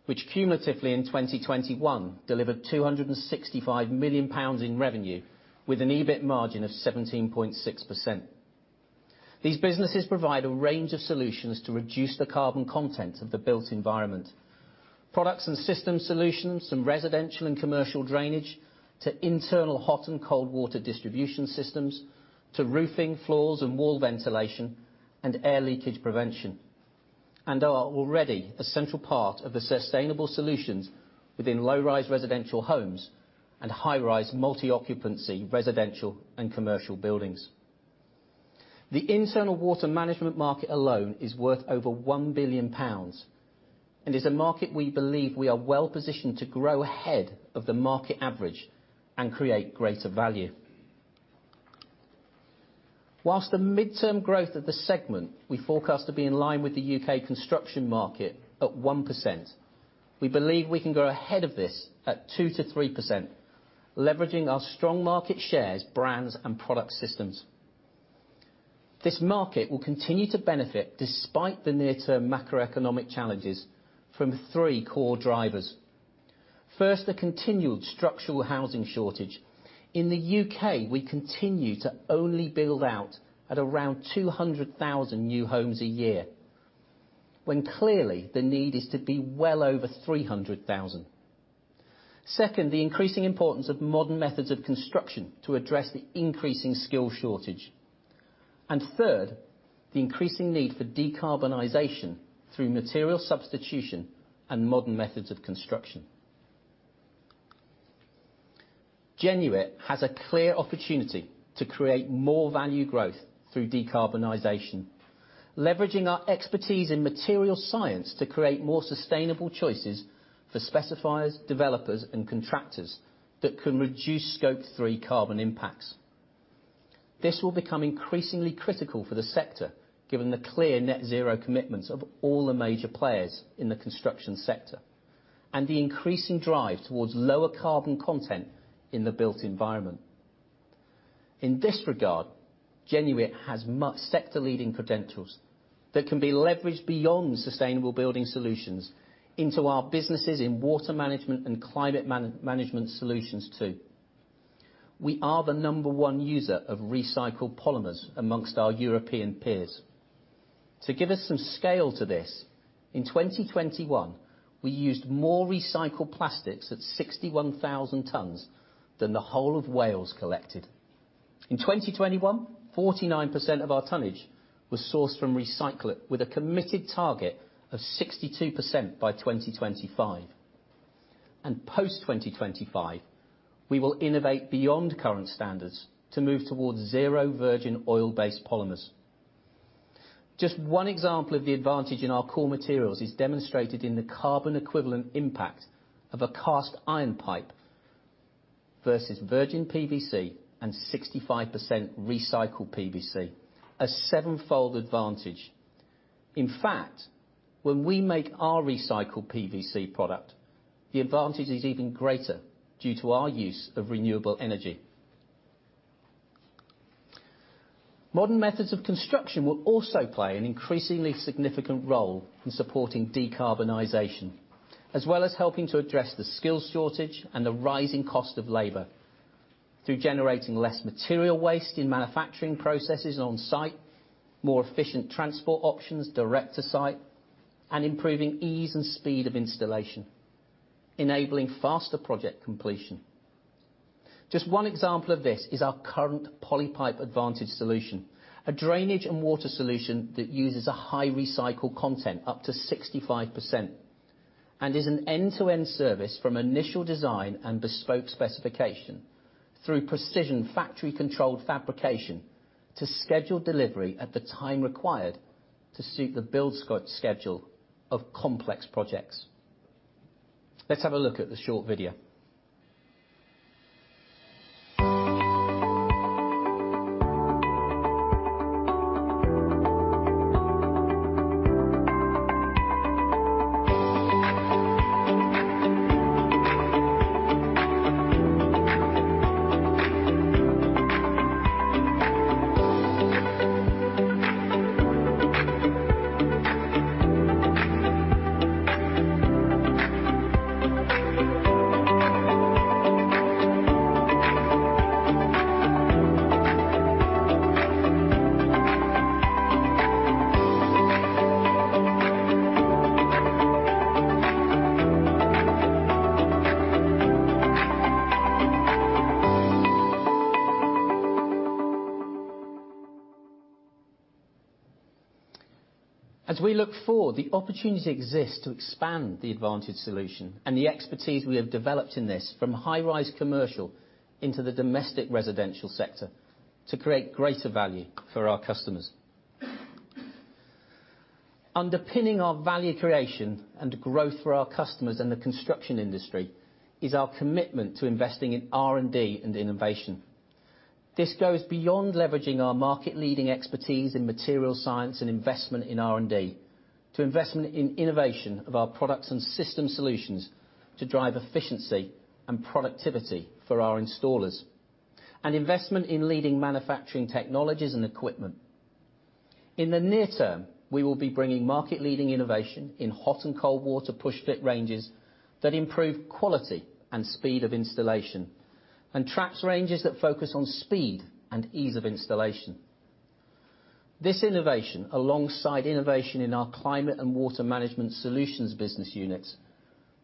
which cumulatively in 2021 delivered 265 million pounds in revenue with an EBIT margin of 17.6%. These businesses provide a range of solutions to reduce the carbon content of the built environment. Products and system solutions from residential and commercial drainage to internal hot and cold water distribution systems to roofing, floors, and wall ventilation and air leakage prevention. Are already a central part of the sustainable solutions within low-rise residential homes and high-rise multi-occupancy residential and commercial buildings. The internal water management market alone is worth over 1 billion pounds and is a market we believe we are well positioned to grow ahead of the market average and create greater value. Whilst the midterm growth of the segment we forecast to be in line with the UK construction market at 1%, we believe we can grow ahead of this at 2%-3%, leveraging our strong market shares, brands, and product systems. This market will continue to benefit despite the near term macroeconomic challenges from three core drivers. First, the continued structural housing shortage. In the UK, we continue to only build out at around 200,000 new homes a year, when clearly the need is to be well over 300,000. Second, the increasing importance of modern methods of construction to address the increasing skill shortage. Third, the increasing need for decarbonization through material substitution and modern methods of construction. Genuit has a clear opportunity to create more value growth through decarbonization, leveraging our expertise in material science to create more sustainable choices for specifiers, developers and contractors that can reduce Scope 3 carbon impacts. This will become increasingly critical for the sector, given the clear net zero commitments of all the major players in the construction sector and the increasing drive towards lower carbon content in the built environment. In this regard, Genuit has much sector leading credentials that can be leveraged beyond Sustainable Building Solutions into our businesses in Water Management Solutions and Climate Management Solutions too. We are the number 1 user of recycled polymers amongst our European peers. To give us some scale to this, in 2021, we used more recycled plastics at 61,000 tons than the whole of Wales collected. In 2021, 49% of our tonnage was sourced from recycling, with a committed target of 62% by 2025. Post 2025, we will innovate beyond current standards to move towards zero virgin oil-based polymers. Just one example of the advantage in our core materials is demonstrated in the carbon equivalent impact of a cast iron pipe versus virgin PVC and 65% recycled PVC. A sevenfold advantage. In fact, when we make our recycled PVC product, the advantage is even greater due to our use of renewable energy. Modern methods of construction will also play an increasingly significant role in supporting decarbonization, as well as helping to address the skills shortage and the rising cost of labor through generating less material waste in manufacturing processes on site, more efficient transport options direct to site, and improving ease and speed of installation, enabling faster project completion. Just one example of this is our current Polypipe Advantage solution, a drainage and water solution that uses a high recycled content up to 65% and is an end to end service from initial design and bespoke specification through precision factory controlled fabrication to scheduled delivery at the time required to suit the build schedule of complex projects. Let's have a look at the short video. The opportunity exists to expand the Advantage solution and the expertise we have developed in this from high-rise commercial into the domestic residential sector to create greater value for our customers. Underpinning our value creation and growth for our customers in the construction industry is our commitment to investing in R&D and innovation. This goes beyond leveraging our market-leading expertise in material science and investment in R&D to investment in innovation of our products and system solutions to drive efficiency and productivity for our installers and investment in leading manufacturing technologies and equipment. In the near term, we will be bringing market-leading innovation in hot and cold water push-fit ranges that improve quality and speed of installation, and traps ranges that focus on speed and ease of installation. This innovation, alongside innovation in our Climate Management Solutions and Water Management Solutions business units,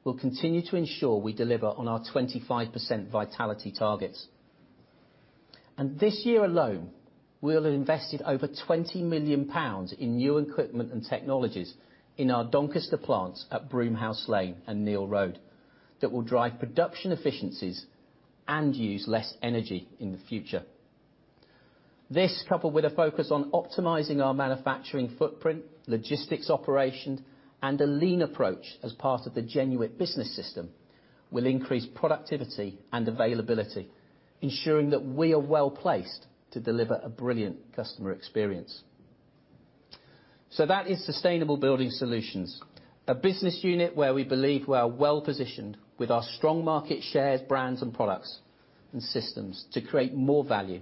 will continue to ensure we deliver on our 25% vitality targets. This year alone, we'll have invested over 20 million pounds in new equipment and technologies in our Doncaster plants at Broomhouse Lane and Neale Road, that will drive production efficiencies and use less energy in the future. This, coupled with a focus on optimizing our manufacturing footprint, logistics operation, and a lean approach as part of the Genuit Business System, will increase productivity and availability. Ensuring that we are well-placed to deliver a brilliant customer experience. That is Sustainable Building Solutions, a business unit where we believe we are well-positioned with our strong market shares, brands, and products and systems to create more value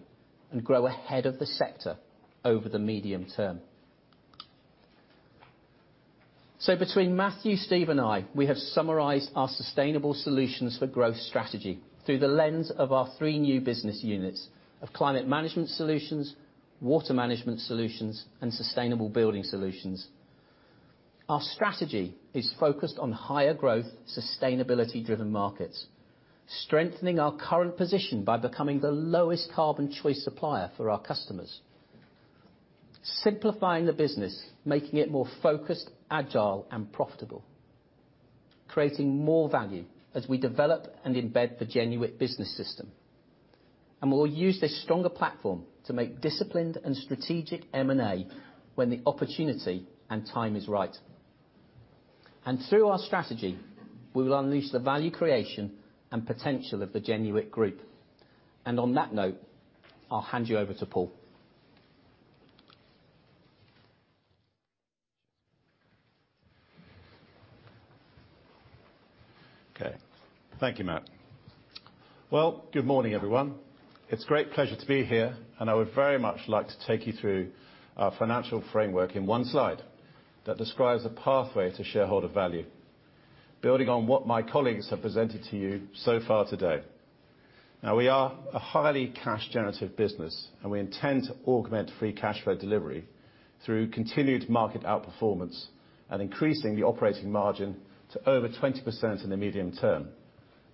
and grow ahead of the sector over the medium term. Between Matthew, Steve, and I, we have summarized our sustainable solutions for growth strategy through the lens of our three new business units: of Climate Management Solutions, Water Management Solutions, and Sustainable Building Solutions. Our strategy is focused on higher growth, sustainability-driven markets, strengthening our current position by becoming the lowest carbon choice supplier for our customers. Simplifying the business, making it more focused, agile, and profitable. Creating more value as we develop and embed the Genuit Business System. We'll use this stronger platform to make disciplined and strategic M&A when the opportunity and time is right. Through our strategy, we will unleash the value creation and potential of the Genuit Group. On that note, I'll hand you over to Paul. Okay. Thank you, Matt. Well, good morning, everyone. It's a great pleasure to be here, and I would very much like to take you through our financial framework in one slide that describes the pathway to shareholder value, building on what my colleagues have presented to you so far today. Now, we are a highly cash-generative business, and we intend to augment free cash flow delivery through continued market outperformance and increasing the operating margin to over 20% in the medium term.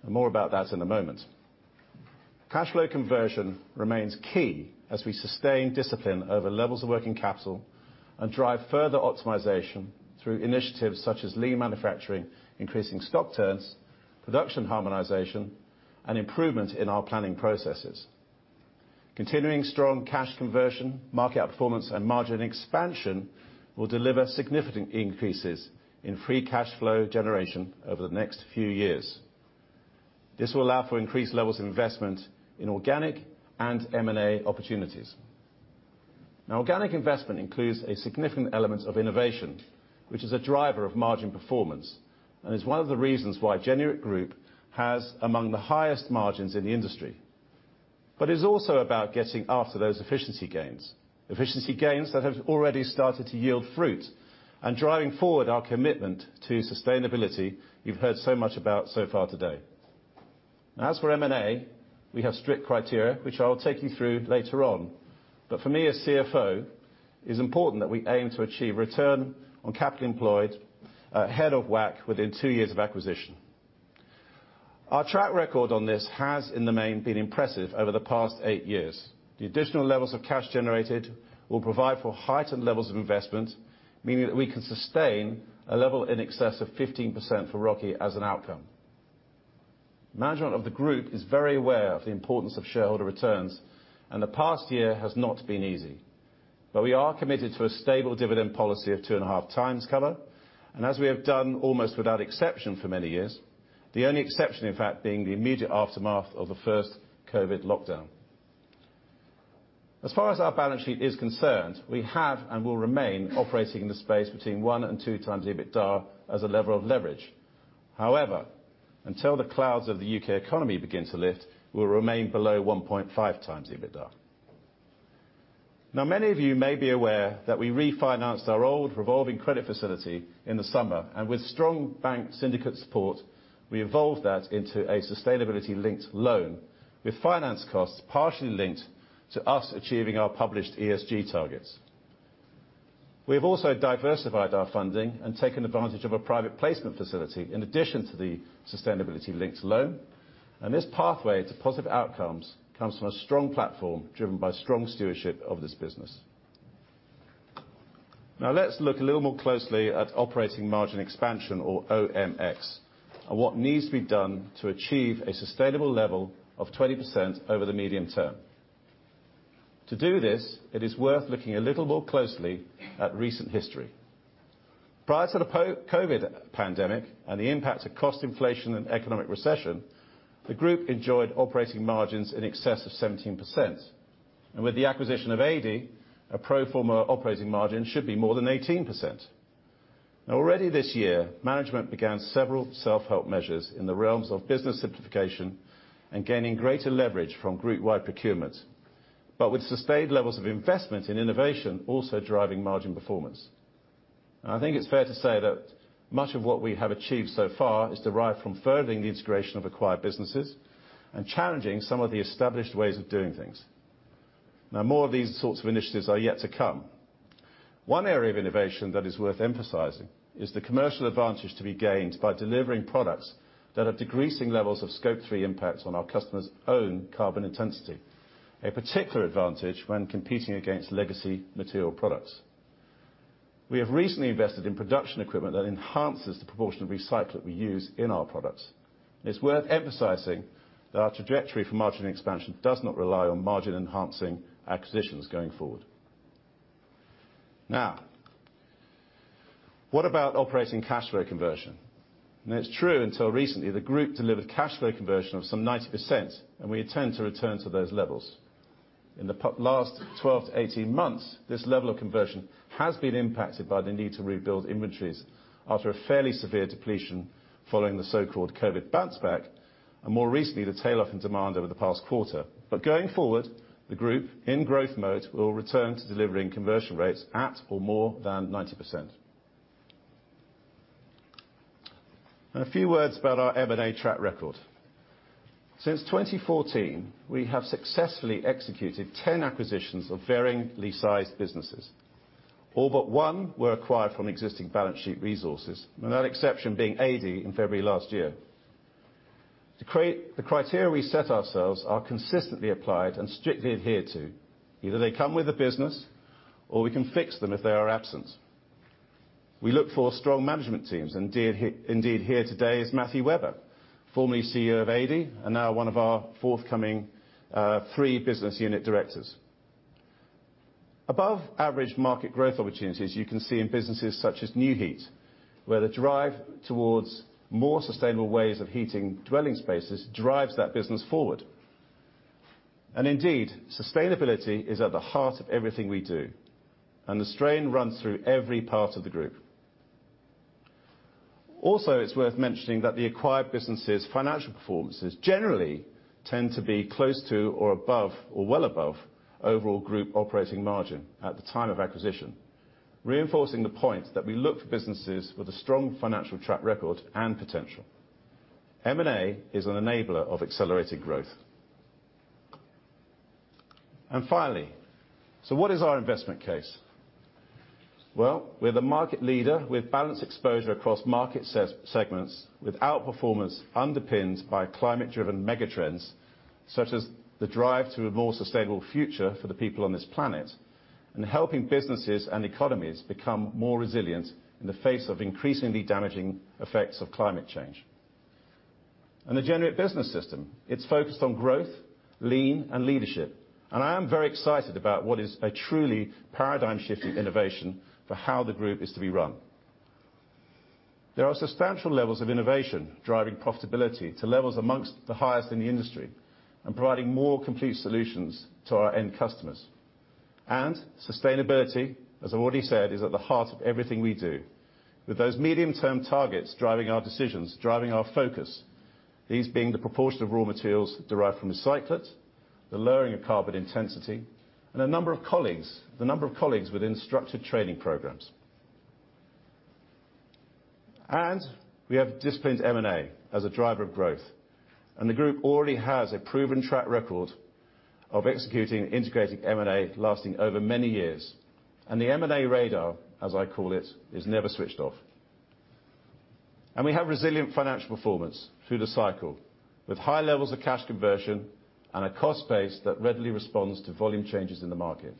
More about that in a moment. Cash flow conversion remains key as we sustain discipline over levels of working capital and drive further optimization through initiatives such as lean manufacturing, increasing stock turns, production harmonization, and improvement in our planning processes. Continuing strong cash conversion, market outperformance, and margin expansion will deliver significant increases in free cash flow generation over the next few years. This will allow for increased levels of investment in organic and M&A opportunities. Organic investment includes a significant element of innovation, which is a driver of margin performance and is one of the reasons why Genuit Group has among the highest margins in the industry. It's also about getting after those efficiency gains. Efficiency gains that have already started to yield fruit, and driving forward our commitment to sustainability you've heard so much about so far today. As for M&A, we have strict criteria, which I'll take you through later on. For me as CFO, it is important that we aim to achieve return on capital employed ahead of WACC within two years of acquisition. Our track record on this has, in the main, been impressive over the past eight years. The additional levels of cash generated will provide for heightened levels of investment, meaning that we can sustain a level in excess of 15% for ROCE as an outcome. Management of the group is very aware of the importance of shareholder returns, the past year has not been easy. We are committed to a stable dividend policy of two and a half times cover, as we have done almost without exception for many years, the only exception, in fact, being the immediate aftermath of the first COVID lockdown. As far as our balance sheet is concerned, we have and will remain operating in the space between 1-2x EBITDA as a level of leverage. However, until the clouds of the U.K. economy begin to lift, we will remain below 1.5x EBITDA. Many of you may be aware that we refinanced our old revolving credit facility in the summer. With strong bank syndicate support, we evolved that into a Sustainability-Linked Loan, with finance costs partially linked to us achieving our published ESG targets. We have also diversified our funding and taken advantage of a private placement facility, in addition to the Sustainability-Linked Loan. This pathway to positive outcomes comes from a strong platform driven by strong stewardship of this business. Let's look a little more closely at operating margin expansion, or OMX, and what needs to be done to achieve a sustainable level of 20% over the medium term. To do this, it is worth looking a little more closely at recent history. Prior to the COVID pandemic and the impact of cost inflation and economic recession, the group enjoyed operating margins in excess of 17%. With the acquisition of Adey, a pro forma operating margin should be more than 18%. Already this year, management began several self-help measures in the realms of business simplification and gaining greater leverage from group-wide procurement, but with sustained levels of investment in innovation, also driving margin performance. I think it's fair to say that much of what we have achieved so far is derived from furthering the integration of acquired businesses and challenging some of the established ways of doing things. More of these sorts of initiatives are yet to come. One area of innovation that is worth emphasizing is the commercial advantage to be gained by delivering products that are decreasing levels of Scope 3 impacts on our customers own carbon intensity. A particular advantage when competing against legacy material products. We have recently invested in production equipment that enhances the proportion of recycle that we use in our products. It's worth emphasizing that our trajectory for margin expansion does not rely on margin enhancing acquisitions going forward. What about operating cash flow conversion? It's true, until recently, the group delivered cash flow conversion of some 90%, and we intend to return to those levels. In the last 12 to 18 months, this level of conversion has been impacted by the need to rebuild inventories after a fairly severe depletion following the so-called COVID bounce back, and more recently, the tailoff in demand over the past quarter. Going forward, the group in growth mode will return to delivering conversion rates at or more than 90%. A few words about our M&A track record. Since 2014, we have successfully executed 10 acquisitions of varyingly sized businesses. All but one were acquired from existing balance sheet resources, and that exception being Adey in February last year. The criteria we set ourselves are consistently applied and strictly adhered to. Either they come with the business or we can fix them if they are absent. We look for strong management teams, indeed here today is Matthew Webber, formerly CEO of Adey, and now one of our forthcoming 3 business unit directors. Above average market growth opportunities you can see in businesses such as Nu-Heat, where the drive towards more sustainable ways of heating dwelling spaces drives that business forward. Sustainability is at the heart of everything we do, and the strain runs through every part of the group. It's worth mentioning that the acquired businesses financial performances generally tend to be close to, or above, or well above overall group operating margin at the time of acquisition. Reinforcing the point that we look for businesses with a strong financial track record and potential. M&A is an enabler of accelerated growth. What is our investment case? Well, we're the market leader with balanced exposure across market segments with outperformance underpinned by climate driven megatrends, such as the drive to a more sustainable future for the people on this planet. Helping businesses and economies become more resilient in the face of increasingly damaging effects of climate change. The Genuit Business System, it's focused on growth, lean, and leadership. I am very excited about what is a truly paradigm shifting innovation for how the group is to be run. There are substantial levels of innovation driving profitability to levels amongst the highest in the industry and providing more complete solutions to our end customers. Sustainability, as I've already said, is at the heart of everything we do. With those medium-term targets driving our decisions, driving our focus, these being the proportion of raw materials derived from recyclate, the lowering of carbon intensity, and a number of colleagues, the number of colleagues within structured training programs. We have disciplined M&A as a driver of growth. The group already has a proven track record of executing integrated M&A lasting over many years. The M&A radar, as I call it, is never switched off. We have resilient financial performance through the cycle with high levels of cash conversion and a cost base that readily responds to volume changes in the market.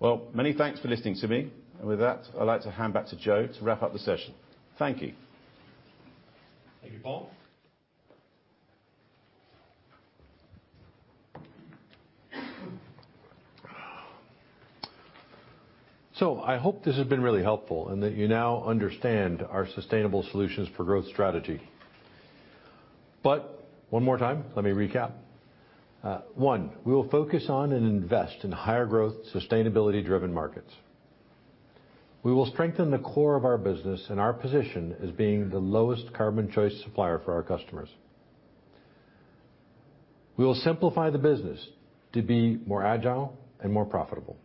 Well, many thanks for listening to me. With that, I'd like to hand back to Joe to wrap up the session. Thank you. Thank you, Paul. I hope this has been really helpful and that you now understand our sustainable solutions for growth strategy. One more time, let me recap. One, we will focus on and invest in higher growth, sustainability-driven markets. We will strengthen the core of our business and our position as being the lowest carbon choice supplier for our customers. We will simplify the business to be more agile and more profitable.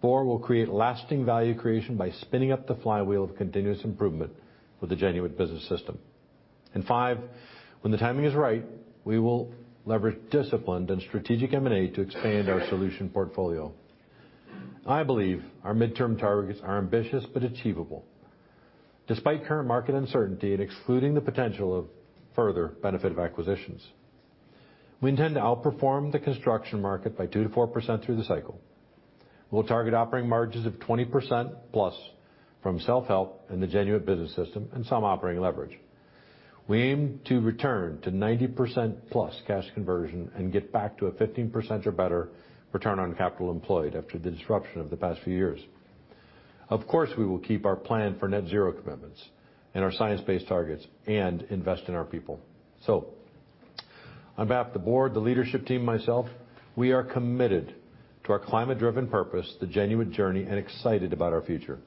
Four, we'll create lasting value creation by spinning up the flywheel of continuous improvement with the Genuit Business System. Five, when the timing is right, we will leverage disciplined and strategic M&A to expand our solution portfolio. I believe our midterm targets are ambitious but achievable. Despite current market uncertainty and excluding the potential of further benefit of acquisitions, we intend to outperform the construction market by 2%-4% through the cycle. We'll target operating margins of 20% plus from self-help in the Genuit Business System and some operating leverage. We aim to return to 90% plus cash conversion and get back to a 15% or better return on capital employed after the disruption of the past few years. Of course, we will keep our plan for net zero commitments and our science-based targets and invest in our people. On behalf of the board, the leadership team, myself, we are committed to our climate-driven purpose, the Genuit Journey, and excited about our future.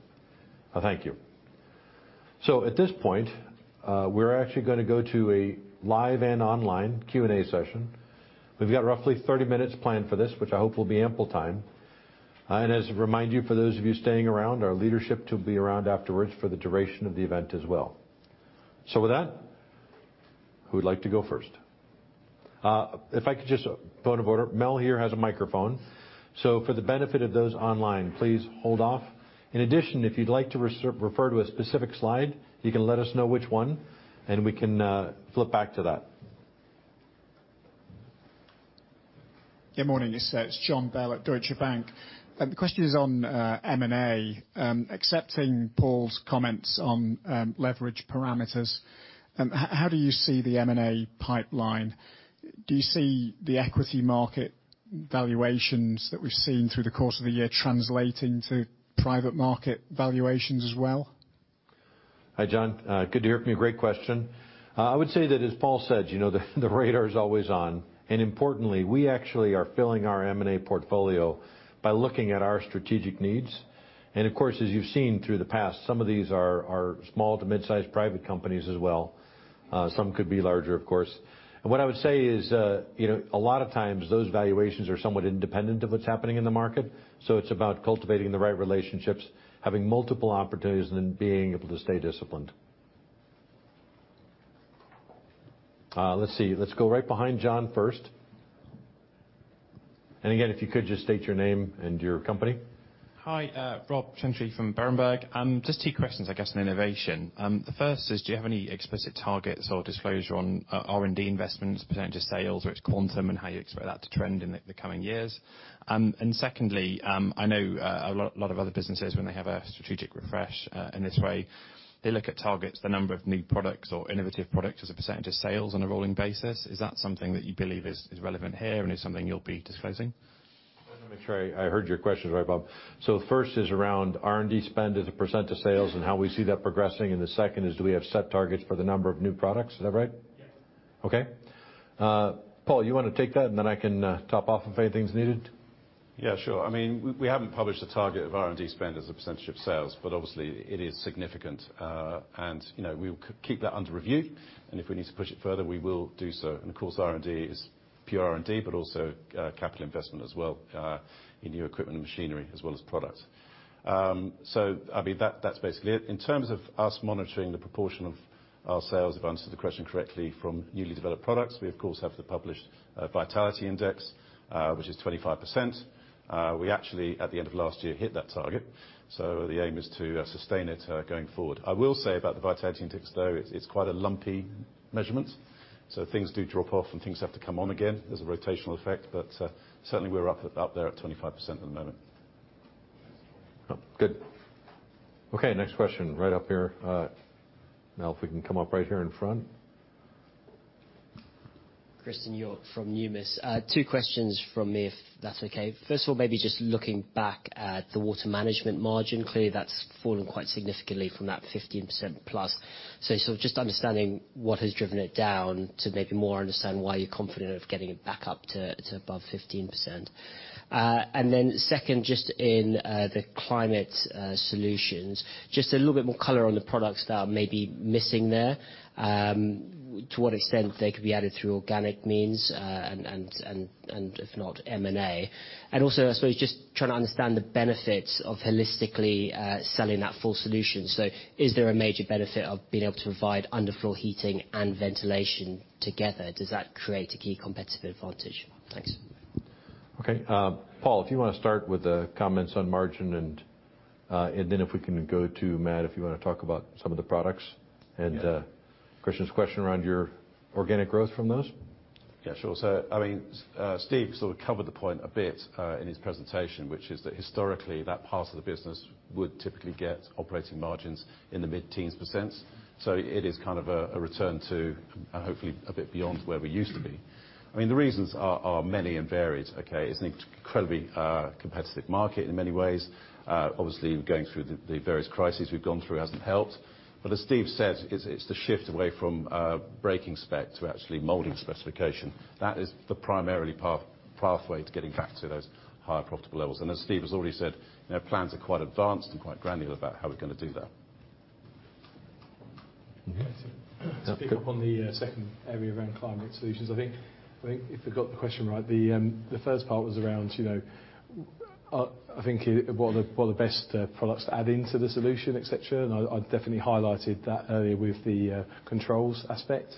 I thank you. At this point, we're actually gonna go to a live and online Q&A session. We've got roughly 30 minutes planned for this, which I hope will be ample time. As a reminder for those of you staying around, our leadership to be around afterwards for the duration of the event as well. With that. Who would like to go first? If I could point of order, Mel here has a microphone. For the benefit of those online, please hold off. In addition, if you'd like to refer to a specific slide, you can let us know which one, and we can flip back to that. Good morning. It's John Bell at Deutsche Bank. The question is on M&A. Accepting Paul's comments on leverage parameters, how do you see the M&A pipeline? Do you see the equity market valuations that we've seen through the course of the year translating to private market valuations as well? Hi, John Bell. Good to hear from you. Great question. I would say that, as Paul James said, the radar is always on. Importantly, we actually are filling our M&A portfolio by looking at our strategic needs. Of course, as you've seen through the past, some of these are small to mid-sized private companies as well. Some could be larger, of course. What I would say is, you know, a lot of times those valuations are somewhat independent of what's happening in the market. It's about cultivating the right relationships, having multiple opportunities and being able to stay disciplined. Let's see. Let's go right behind John Bell first. Again, if you could just state your name and your company. Hi, Robert Plant from Berenberg. Just two questions, I guess, on innovation. The first is, do you have any explicit targets or disclosure on R&D investments, percentage of sales or its quantum, and how you expect that to trend in the coming years? Secondly, I know a lot of other businesses when they have a strategic refresh, in this way, they look at targets, the number of new products or innovative products as a percentage of sales on a rolling basis. Is that something that you believe is relevant here and is something you'll be disclosing? Let me make sure I heard your questions right, Rob. The first is around R&D spend as a % of sales and how we see that progressing, and the second is do we have set targets for the number of new products. Is that right? Yes. Okay. Paul, you wanna take that, and then I can, top off if anything's needed? Yeah, sure. I mean, we haven't published a target of R&D spend as a percentage of sales, but obviously it is significant. You know, we will keep that under review, and if we need to push it further, we will do so. Of course, R&D is pure R&D, but also capital investment as well, in new equipment and machinery as well as products. I mean, that's basically it. In terms of us monitoring the proportion of our sales, if I answered the question correctly, from newly developed products, we of course have the published Vitality Index, which is 25%. We actually, at the end of last year, hit that target. The aim is to sustain it going forward. I will say about the Vitality Index, though, it's quite a lumpy measurement, so things do drop off and things have to come on again. There's a rotational effect. Certainly, we're up there at 25% at the moment. Good. Okay, next question, right up here. Mel, if we can come up right here in front. Christian Yates from Numis. Two questions from me, if that's okay. First of all, maybe just looking back at the Water Management Solutions margin. Clearly, that's fallen quite significantly from that 15%+. Sort of just understanding what has driven it down to maybe more understand why you're confident of getting it back up to above 15%. Second, just in the Climate Management Solutions, just a little bit more color on the products that are maybe missing there. To what extent they could be added through organic means, and if not M&A. I suppose just trying to understand the benefits of holistically selling that full solution. Is there a major benefit of being able to provide underfloor heating and ventilation together? Does that create a key competitive advantage? Thanks. Okay. Paul, if you wanna start with the comments on margin and, then if we can go to Matt, if you wanna talk about some of the products. Yeah. Christian's question around your organic growth from those. Yeah, sure. I mean, Steve sort of covered the point a bit in his presentation, which is that historically, that part of the business would typically get operating margins in the mid-teens %. It is kind of a return to and hopefully a bit beyond where we used to be. I mean, the reasons are many and varied, okay? It's an incredibly competitive market in many ways. Obviously going through the various crises we've gone through hasn't helped. As Steve said, it's the shift away from breaking spec to actually molding specification. That is the pathway to getting back to those higher profitable levels. As Steve has already said, our plans are quite advanced and quite granular about how we're gonna do that. Okay. To pick up on the second area around Climate Management Solutions. I think if I got the question right, the first part was around, I think what are the, what are the best products to add into the solution, et cetera. I definitely highlighted that earlier with the controls aspect.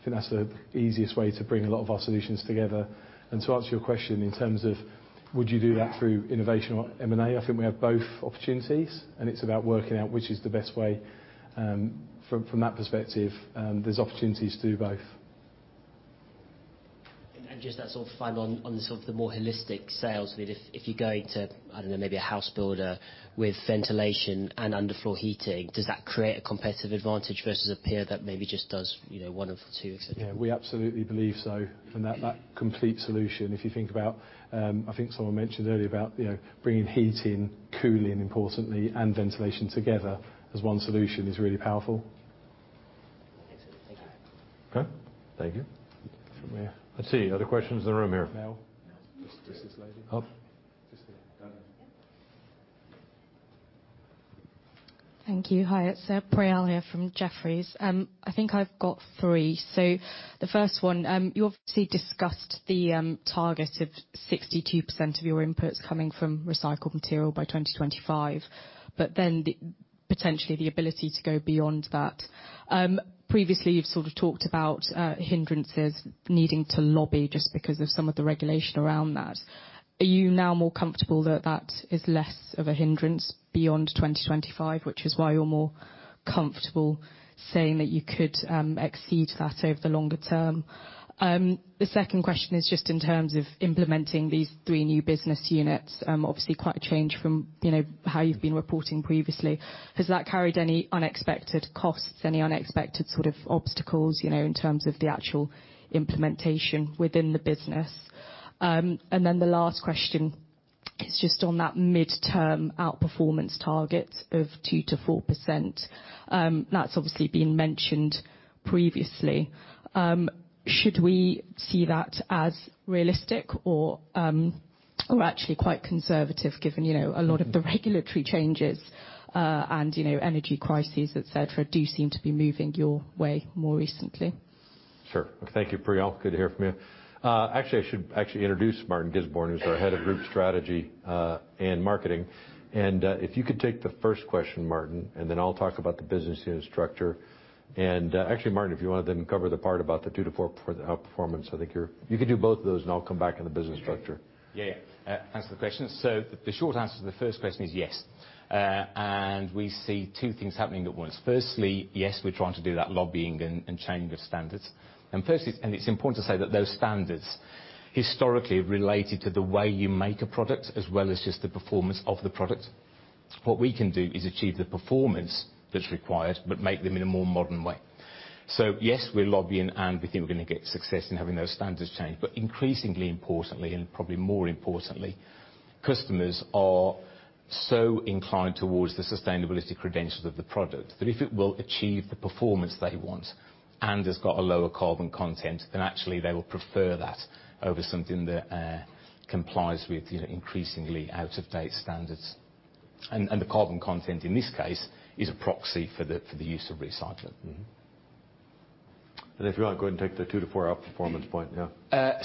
I think that's the easiest way to bring a lot of our solutions together. To answer your question in terms of would you do that through innovation or M&A, I think we have both opportunities, and it's about working out which is the best way from that perspective. There's opportunities to do both. Just that sort of final on the sort of the more holistic sales lead. If you're going to, I don't know, maybe a house builder with ventilation and underfloor heating, does that create a competitive advantage versus a peer that maybe just does, you know, one of the two, et cetera? Yeah, we absolutely believe so. That complete solution, if you think about, I think someone mentioned earlier about, you know, bringing heat in, cooling importantly, and ventilation together as one solution is really powerful. Excellent. Thank you. Okay. Thank you. Let's see. Other questions in the room here. Mel? No. Just this lady. Oh. Just there. Thank you. Hi, it's Priyal here from Jefferies. I think I've got three. The first one, you obviously discussed the target of 62% of your inputs coming from recycled material by 2025, but then the potentially the ability to go beyond that. Previously, you've sort of talked about hindrances needing to lobby just because of some of the regulation around that. Are you now more comfortable that that is less of a hindrance beyond 2025, which is why you're more comfortable saying that you could exceed that over the longer term? The second question is just in terms of implementing these three new business units, obviously quite a change from, you know, how you've been reporting previously. Has that carried any unexpected costs, any unexpected sort of obstacles, you know, in terms of the actual implementation within the business? The last question is just on that midterm outperformance target of 2%-4%. That's obviously been mentioned previously. Should we see that as realistic or actually quite conservative given, you know, a lot of the regulatory changes, and, you know, energy crises, et cetera, do seem to be moving your way more recently. Sure. Thank you, Priyal. Good to hear from you. Actually, I should actually introduce Martin Gisbourne, who's our Head of Group Strategy, and Marketing. If you could take the first question, Martin, and then I'll talk about the business unit structure. Actually, Martin, if you wanna then cover the part about the 2%-4% outperformance. I think you could do both of those, and I'll come back on the business structure. Yeah, yeah. Thanks for the question. The short answer to the first question is yes. We see two things happening at once. Firstly, yes, we're trying to do that lobbying and change of standards. Firstly, and it's important to say that those standards historically have related to the way you make a product as well as just the performance of the product. What we can do is achieve the performance that's required but make them in a more modern way. Yes, we're lobbying, and we think we're gonna get success in having those standards change. Increasingly importantly, and probably more importantly, customers are so inclined towards the sustainability credentials of the product, that if it will achieve the performance they want and has got a lower carbon content, then actually they will prefer that over something that complies with, you know, increasingly out-of-date standards. The carbon content in this case is a proxy for the, for the use of recycling. Mm-hmm. If you wanna go and take the 2-4 outperformance point, yeah. Yeah,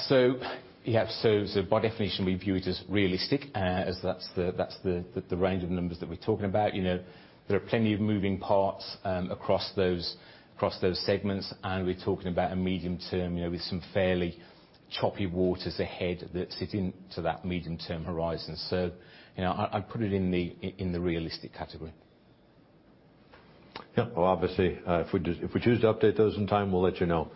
so by definition, we view it as realistic, as that's the range of numbers that we're talking about. You know, there are plenty of moving parts across those segments, and we're talking about a medium term, you know, with some fairly choppy waters ahead that fit into that medium-term horizon. You know, I'd put it in the realistic category. Yeah. Well, obviously, if we just, if we choose to update those in time, we'll let you know.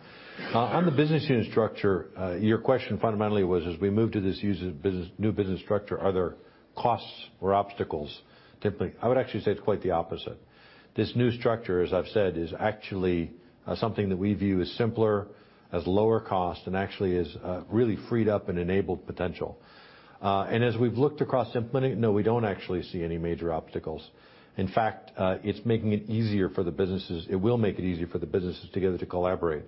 On the business unit structure, your question fundamentally was, as we move to this user business, new business structure, are there costs or obstacles, typically? I would actually say it's quite the opposite. This new structure, as I've said, is actually something that we view as simpler, as lower cost, and actually has really freed up and enabled potential. As we've looked across implementing, no, we don't actually see any major obstacles. In fact, it's making it easier for the businesses. It will make it easier for the businesses together to collaborate.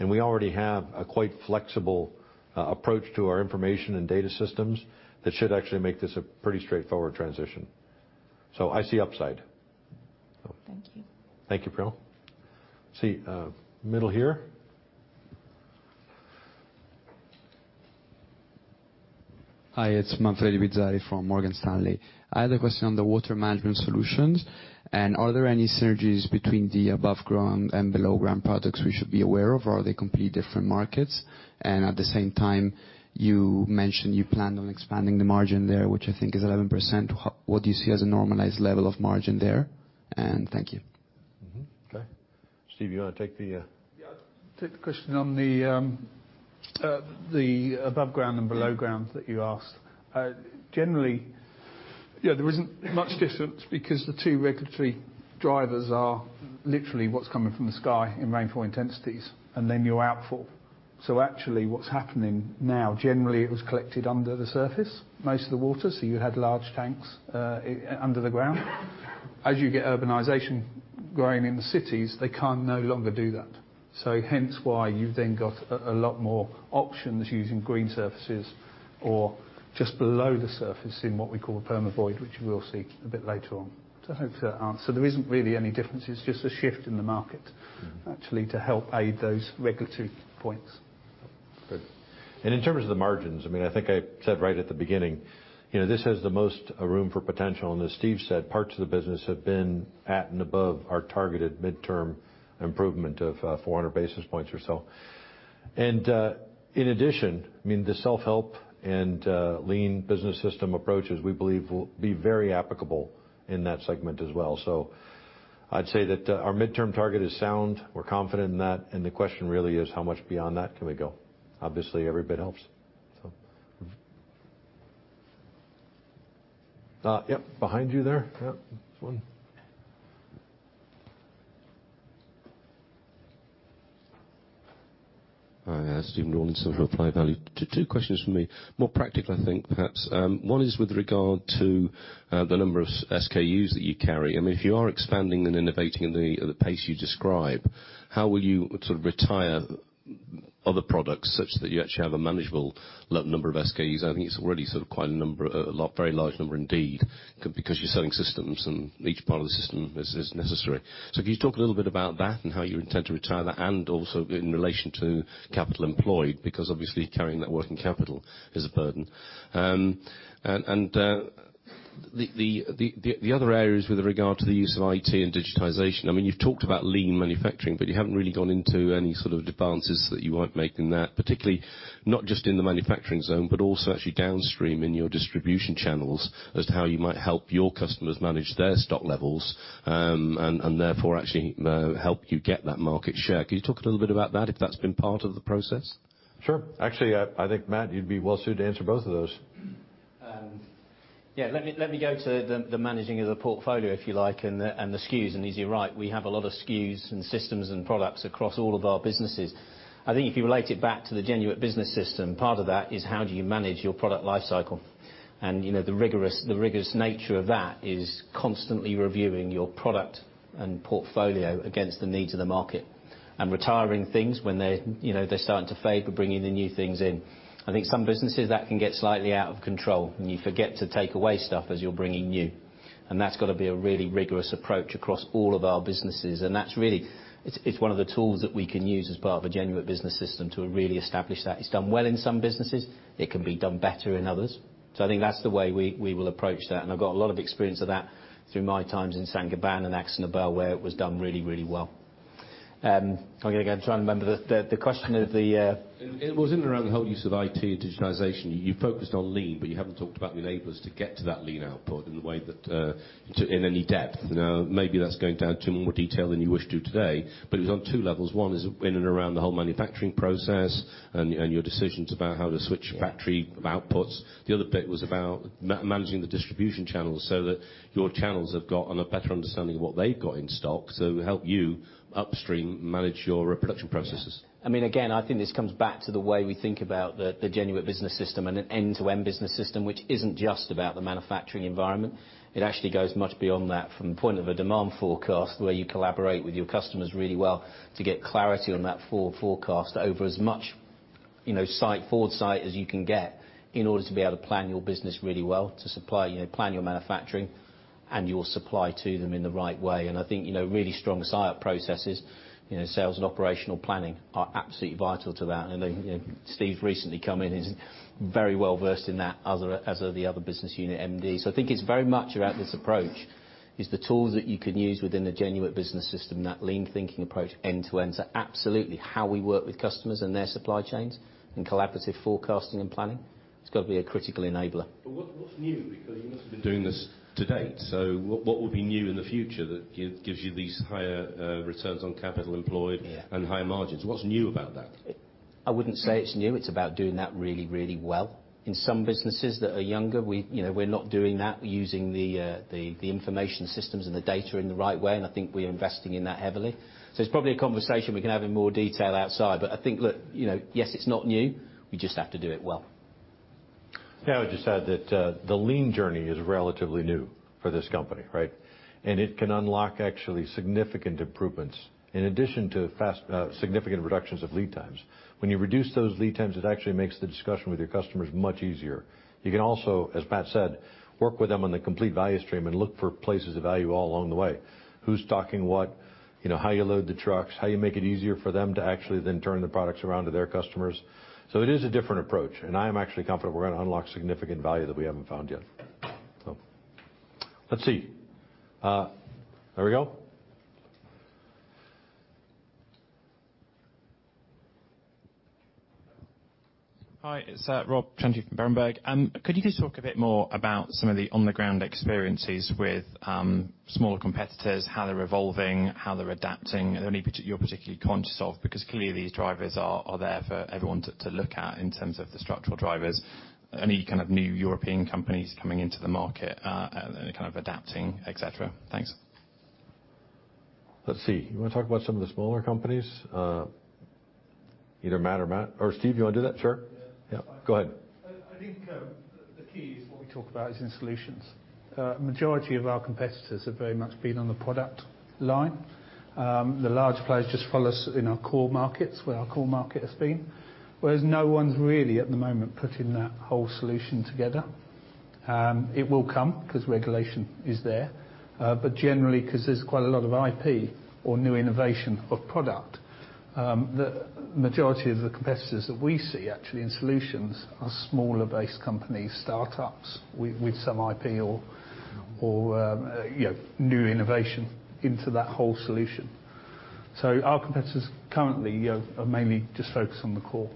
We already have a quite flexible approach to our information and data systems that should actually make this a pretty straightforward transition. I see upside. Thank you. Thank you, Priyal. See, middle here. Hi, it's Manfredi Pizzarotti from Morgan Stanley. I had a question on the Water Management Solutions. Are there any synergies between the above ground and below ground products we should be aware of, or are they completely different markets? At the same time, you mentioned you plan on expanding the margin there, which I think is 11%. What do you see as a normalized level of margin there? Thank you. Mm-hmm. Okay. Steve, you wanna take the- Yeah, take the question on the above ground and below ground that you asked. Generally, yeah, there isn't much difference because the 2 regulatory drivers are literally what's coming from the sky in rainfall intensities and then your outfall. Actually, what's happening now, generally it was collected under the surface, most of the water, so you had large tanks under the ground. As you get urbanization growing in the cities, they can no longer do that. Hence why you've then got a lot more options using green surfaces or just below the surface in what we call Permavoid, which we'll see a bit later on. I don't know if that answered. There isn't really any difference. It's just a shift in the market- Mm-hmm actually to help aid those regulatory points. Good. In terms of the margins, I mean, I think I said right at the beginning, you know, this has the most room for potential. As Steve said, parts of the business have been at and above our targeted midterm improvement of 400 basis points or so. In addition, I mean, the self-help and lean business system approaches, we believe, will be very applicable in that segment as well. I'd say that our midterm target is sound. We're confident in that, and the question really is how much beyond that can we go? Obviously, every bit helps. Yep, behind you there. Yep. One. Yeah. Hi, Stephen Rawlinson with Applied Value. 2 questions from me. More practical, I think, perhaps. One is with regard to the number of SKUs that you carry. I mean, if you are expanding and innovating at the pace you describe, how will you sort of retire other products such that you actually have a manageable number of SKUs. I think it's really sort of quite a number, a very large number indeed, because you're selling systems and each part of the system is necessary. Can you talk a little bit about that and how you intend to retire that, and also in relation to capital employed, because obviously carrying that working capital is a burden. The other areas with regard to the use of IT and digitization, I mean, you've talked about lean manufacturing, but you haven't really gone into any sort of advances that you might make in that, particularly not just in the manufacturing zone, but also actually downstream in your distribution channels as to how you might help your customers manage their stock levels, and therefore, actually, help you get that market share. Can you talk a little bit about that if that's been part of the process? Sure. Actually, I think, Matt, you'd be well suited to answer both of those. Yeah, let me go to the managing of the portfolio, if you like, and the SKUs. He's right, we have a lot of SKUs and systems and products across all of our businesses. I think if you relate it back to the Genuit Business System, part of that is how do you manage your product life cycle. You know, the rigorous nature of that is constantly reviewing your product and portfolio against the needs of the market and retiring things when they're, you know, they're starting to fade, but bringing the new things in. I think some businesses that can get slightly out of control, and you forget to take away stuff as you're bringing new. That's gotta be a really rigorous approach across all of our businesses. That's really. It's one of the tools that we can use as part of a Genuit Business System to really establish that. It's done well in some businesses. It can be done better in others. I think that's the way we will approach that. I've got a lot of experience of that through my times in Saint-Gobain and AkzoNobel, where it was done really, really well. I'm gonna try and remember the question of the. It was around the whole use of IT and digitization. You focused on lean, you haven't talked about the enablers to get to that lean output in the way that in any depth. Maybe that's going down too more detail than you wish to today, but it was on two levels. One is in and around the whole manufacturing process and your decisions about how to switch factory outputs. The other bit was about managing the distribution channels so that your channels have got on a better understanding of what they've got in stock to help you upstream manage your production processes. I mean, again, I think this comes back to the way we think about the Genuit Business System and an end-to-end business system which isn't just about the manufacturing environment. It actually goes much beyond that from point of a demand forecast, the way you collaborate with your customers really well to get clarity on that for-forecast over as much, you know, foresight as you can get in order to be able to plan your business really well, to supply, you know, plan your manufacturing and your supply to them in the right way. I think, you know, really strong SIOP processes, you know, sales and operational planning are absolutely vital to that. I know, you know, Steve recently come in, he's very well versed in that, as are the other business unit MDs. I think it's very much about this approach, is the tools that you can use within the Genuit Business System, that lean thinking approach end to end. Absolutely how we work with customers and their supply chains and collaborative forecasting and planning, it's got to be a critical enabler. What's new? Because you must have been doing this to date. What would be new in the future that gives you these higher returns on Capital Employed. High margins? What's new about that? I wouldn't say it's new. It's about doing that really, really well. In some businesses that are younger, we, you know, we're not doing that using the information systems and the data in the right way, and I think we're investing in that heavily. It's probably a conversation we can have in more detail outside. I think look, you know, yes, it's not new. We just have to do it well. Can I just add that the lean journey is relatively new for this company, right? It can unlock actually significant improvements in addition to fast significant reductions of lead times. When you reduce those lead times, it actually makes the discussion with your customers much easier. You can also, as Matt said, work with them on the complete value stream and look for places of value all along the way. Who's stocking what? You know, how you load the trucks. How you make it easier for them to actually then turn the products around to their customers. It is a different approach, and I am actually confident we're gonna unlock significant value that we haven't found yet. Let's see. There we go. Hi, it's Rob Plant from Berenberg. Could you just talk a bit more about some of the on-the-ground experiences with smaller competitors, how they're evolving, how they're adapting, are there any that you're particularly conscious of? Because clearly, these drivers are there for everyone to look at in terms of the structural drivers. Any kind of new European companies coming into the market, any kind of adapting, et cetera? Thanks. Let's see. You wanna talk about some of the smaller companies? Either Matt or Steve, do you wanna do that? Sure. Yeah. Go ahead. I think the key is what we talk about is in solutions. Majority of our competitors have very much been on the product line. The large players just follow us in our core markets, where our core market has been. Whereas no one's really at the moment putting that whole solution together. It will come, 'cause regulation is there. But generally, 'cause there's quite a lot of IP or new innovation of product, the majority of the competitors that we see actually in solutions are smaller base companies, start-ups with some IP or, you know, new innovation into that whole solution. Our competitors currently are mainly just focused on the core.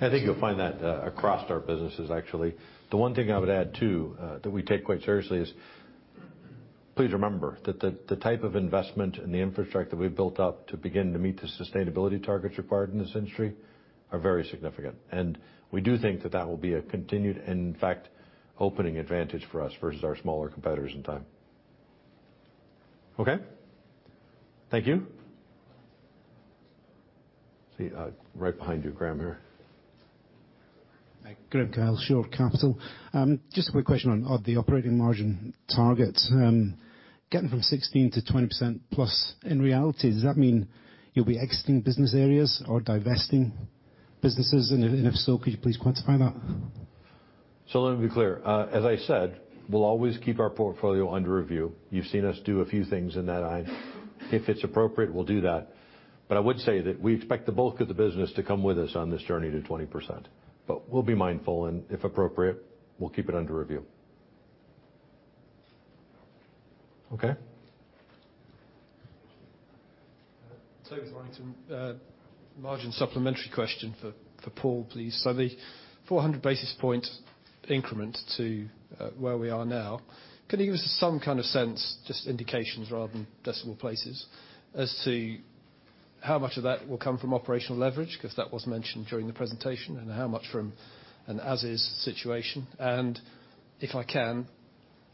I think you'll find that across our businesses, actually. The one thing I would add, too, that we take quite seriously is please remember that the type of investment and the infrastructure that we've built up to begin to meet the sustainability targets required in this industry are very significant. We do think that that will be a continued, and in fact, opening advantage for us versus our smaller competitors in time. Okay? Thank you. See, right behind you, Graeme, here. Graeme Kyle, Shore Capital. Just a quick question on the operating margin target. Getting from 16%-20% plus, in reality, does that mean you'll be exiting business areas or divesting businesses? If so, could you please quantify that? Let me be clear. As I said, we'll always keep our portfolio under review. You've seen us do a few things in that line. If it's appropriate, we'll do that. I would say that we expect the bulk of the business to come with us on this journey to 20%. We'll be mindful, and if appropriate, we'll keep it under review. Okay? Tobias Lunt. Margin supplementary question for Paul, please. The 400 basis point increment to where we are now, can you give us some kind of sense, just indications rather than decimal places, as to how much of that will come from operational leverage, 'cause that was mentioned during the presentation, and how much from an as-is situation. If I can,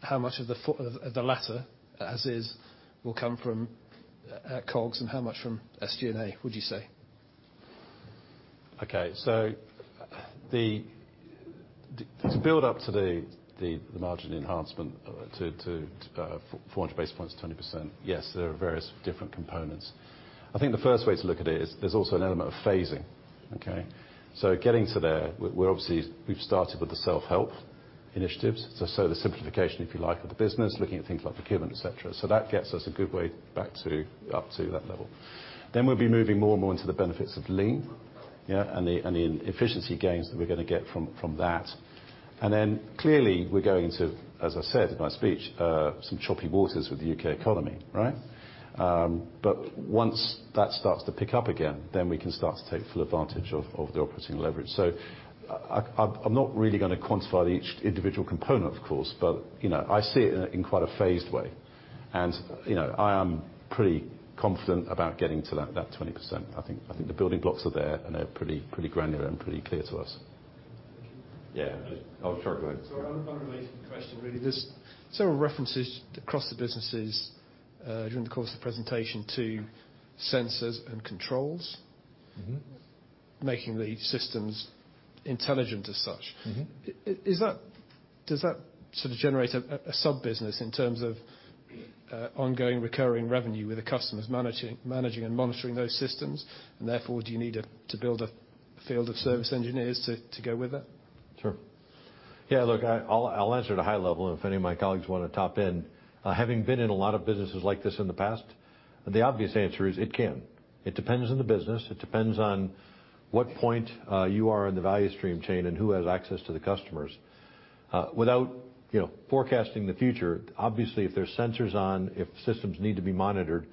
how much of the latter, as is, will come from COGS and how much from SG&A, would you say? Okay. To build up to the margin enhancement to 400 basis points, 20%, yes, there are various different components. I think the first way to look at it is there's also an element of phasing. Okay? Getting to there, we're obviously we've started with the self-help initiatives, so the simplification, if you like, of the business, looking at things like procurement, et cetera. That gets us a good way back to, up to that level. We'll be moving more and more into the benefits of lean, yeah, and the efficiency gains that we're gonna get from that. Clearly, we're going into, as I said in my speech, some choppy waters with the U.K. economy, right? Once that starts to pick up again, then we can start to take full advantage of the operating leverage. I'm not really gonna quantify each individual component, of course, but, you know, I see it in a quite a phased way. You know, I am pretty confident about getting to that 20%. I think the building blocks are there, and they're pretty granular and pretty clear to us. Thank you. Yeah. Oh, sure, go ahead. Sorry, one related question, really. There's several references across the businesses during the course of the presentation to sensors and controls. Mm-hmm. Making the systems intelligent as such. Mm-hmm. Does that sort of generate a sub-business in terms of, ongoing recurring revenue, with the customers managing and monitoring those systems? Therefore, do you need a, to build a field of service engineers to go with it? Sure. Yeah, look, I'll, I'll answer at a high level and if any of my colleagues wanna top in. Having been in a lot of businesses like this in the past, the obvious answer is it can. It depends on the business. It depends on what point you are in the value stream chain and who has access to the customers. Without, you know, forecasting the future, obviously, if there's sensors on, if systems need to be monitored,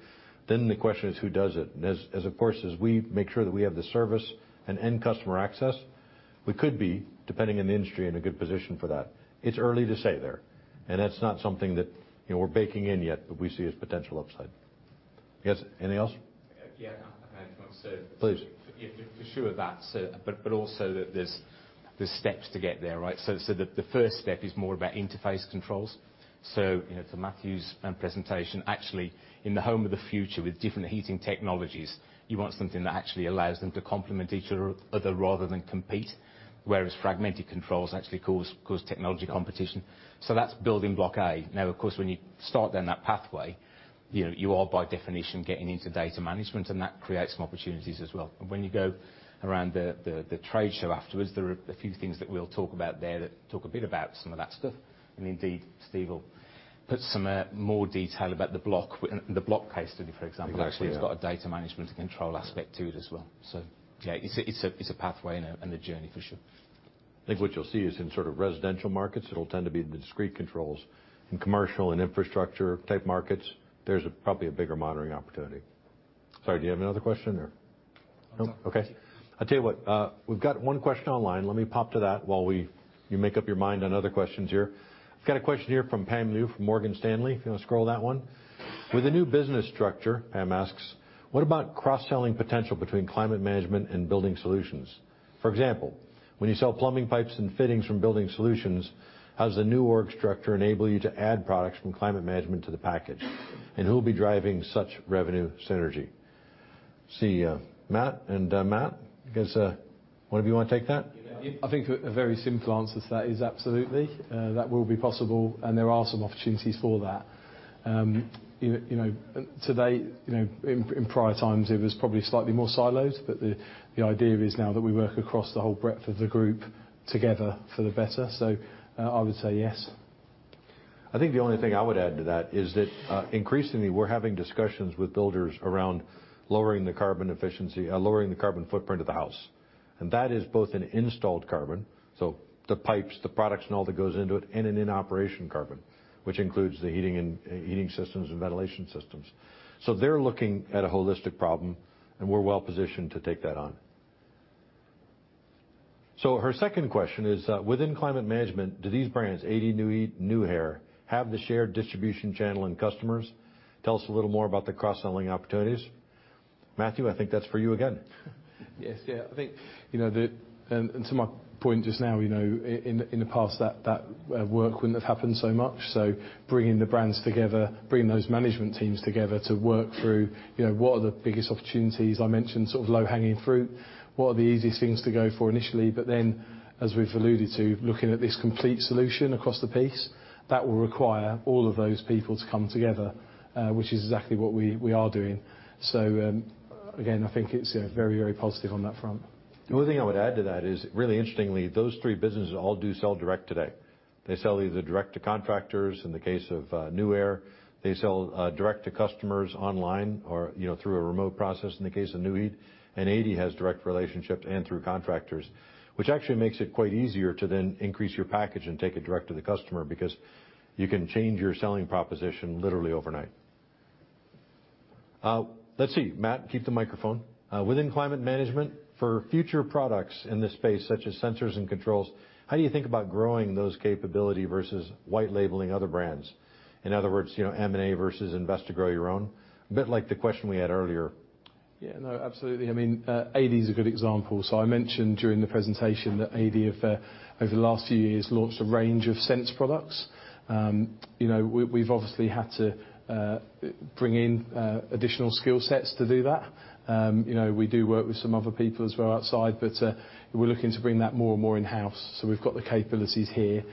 then the question is who does it? As of course, as we make sure that we have the service and end customer access, we could be, depending on the industry, in a good position for that. It's early to say there, and that's not something that, you know, we're baking in yet, but we see as potential upside. Yes, anything else? Yeah. If I might, sir. Please. For sure that, sir, but also that there's steps to get there, right? The first step is more about interface controls. You know, to Matthew's presentation, actually in the home of the future with different heating technologies, you want something that actually allows them to complement each other rather than compete, whereas fragmented controls actually cause technology competition. That's building Bloc A. Of course, when you start down that pathway, you know, you are by definition getting into data management, and that creates some opportunities as well. When you go around the trade show afterwards, there are a few things that we'll talk about there that talk a bit about some of that stuff. Indeed, Steve will put some more detail about the Bloc case study, for example. Exactly which actually has got a data management and control aspect to it as well. Yeah, it's a pathway and a journey, for sure. I think what you'll see is in sort of residential markets, it'll tend to be the discreet controls. In commercial and infrastructure type markets, there's a probably a bigger monitoring opportunity. Sorry, do you have another question or. No. Okay. I'll tell you what, we've got one question online. Let me pop to that while we, you make up your mind on other questions here. I've got a question here from Pam Liu from Morgan Stanley. If you wanna scroll that one. "With the new business structure," Pam asks, "what about cross-selling potential between Climate Management Solutions and Building Solutions? For example, when you sell plumbing pipes and fittings from Building Solutions, how does the new org structure enable you to add products from Climate Management Solutions to the package? Who'll be driving such revenue synergy?" See, Matt and Matt, I guess, one of you wanna take that? I think a very simple answer to that is absolutely, that will be possible and there are some opportunities for that. You know, today, you know, in prior times it was probably slightly more silos, but the idea is now that we work across the whole breadth of the Group together for the better. I would say yes. I think the only thing I would add to that is that, increasingly we're having discussions with builders around lowering the carbon efficiency, lowering the carbon footprint of the house. That is both in installed carbon, so the pipes, the products and all that goes into it, and an in-operation carbon, which includes the heating systems and ventilation systems. They're looking at a holistic problem, and we're well positioned to take that on. Her second question is, "Within climate management, do these brands, Adey, Nuaire, have the shared distribution channel and customers? Tell us a little more about the cross-selling opportunities." Matthew, I think that's for you again. Yes. Yeah. I think, to my point just now, you know, in the past that work wouldn't have happened so much. Bringing the brands together, bringing those management teams together to work through, what are the biggest opportunities. I mentioned sort of low-hanging fruit. What are the easiest things to go for initially? Then, as we've alluded to, looking at this complete solution across the piece, that will require all of those people to come together, which is exactly what we are doing. Again, I think it's very, very positive on that front. The only thing I would add to that is, really interestingly, those three businesses all do sell direct today. They sell either direct to contractors in the case of, Nuaire. They sell, direct to customers online or through a remote process in the case of Nu-Heat. Adey has direct relationships and through contractors, which actually makes it quite easier to then increase your package and take it direct to the customer because you can change your selling proposition literally overnight. Let's see. Matt, keep the microphone. Within Climate Management Solutions, for future products in this space, such as sensors and controls, how do you think about growing those capability versus white labeling other brands? In other words M&A versus invest to grow your own. A bit like the question we had earlier. Yeah, no, absolutely. I mean, Adey is a good example. I mentioned during the presentation that Adey have over the last few years, launched a range of ADEY Sense products., we've obviously had to bring in additional skill sets to do that, we do work with some other people as well outside, but we're looking to bring that more and more in-house so we've got the capabilities here.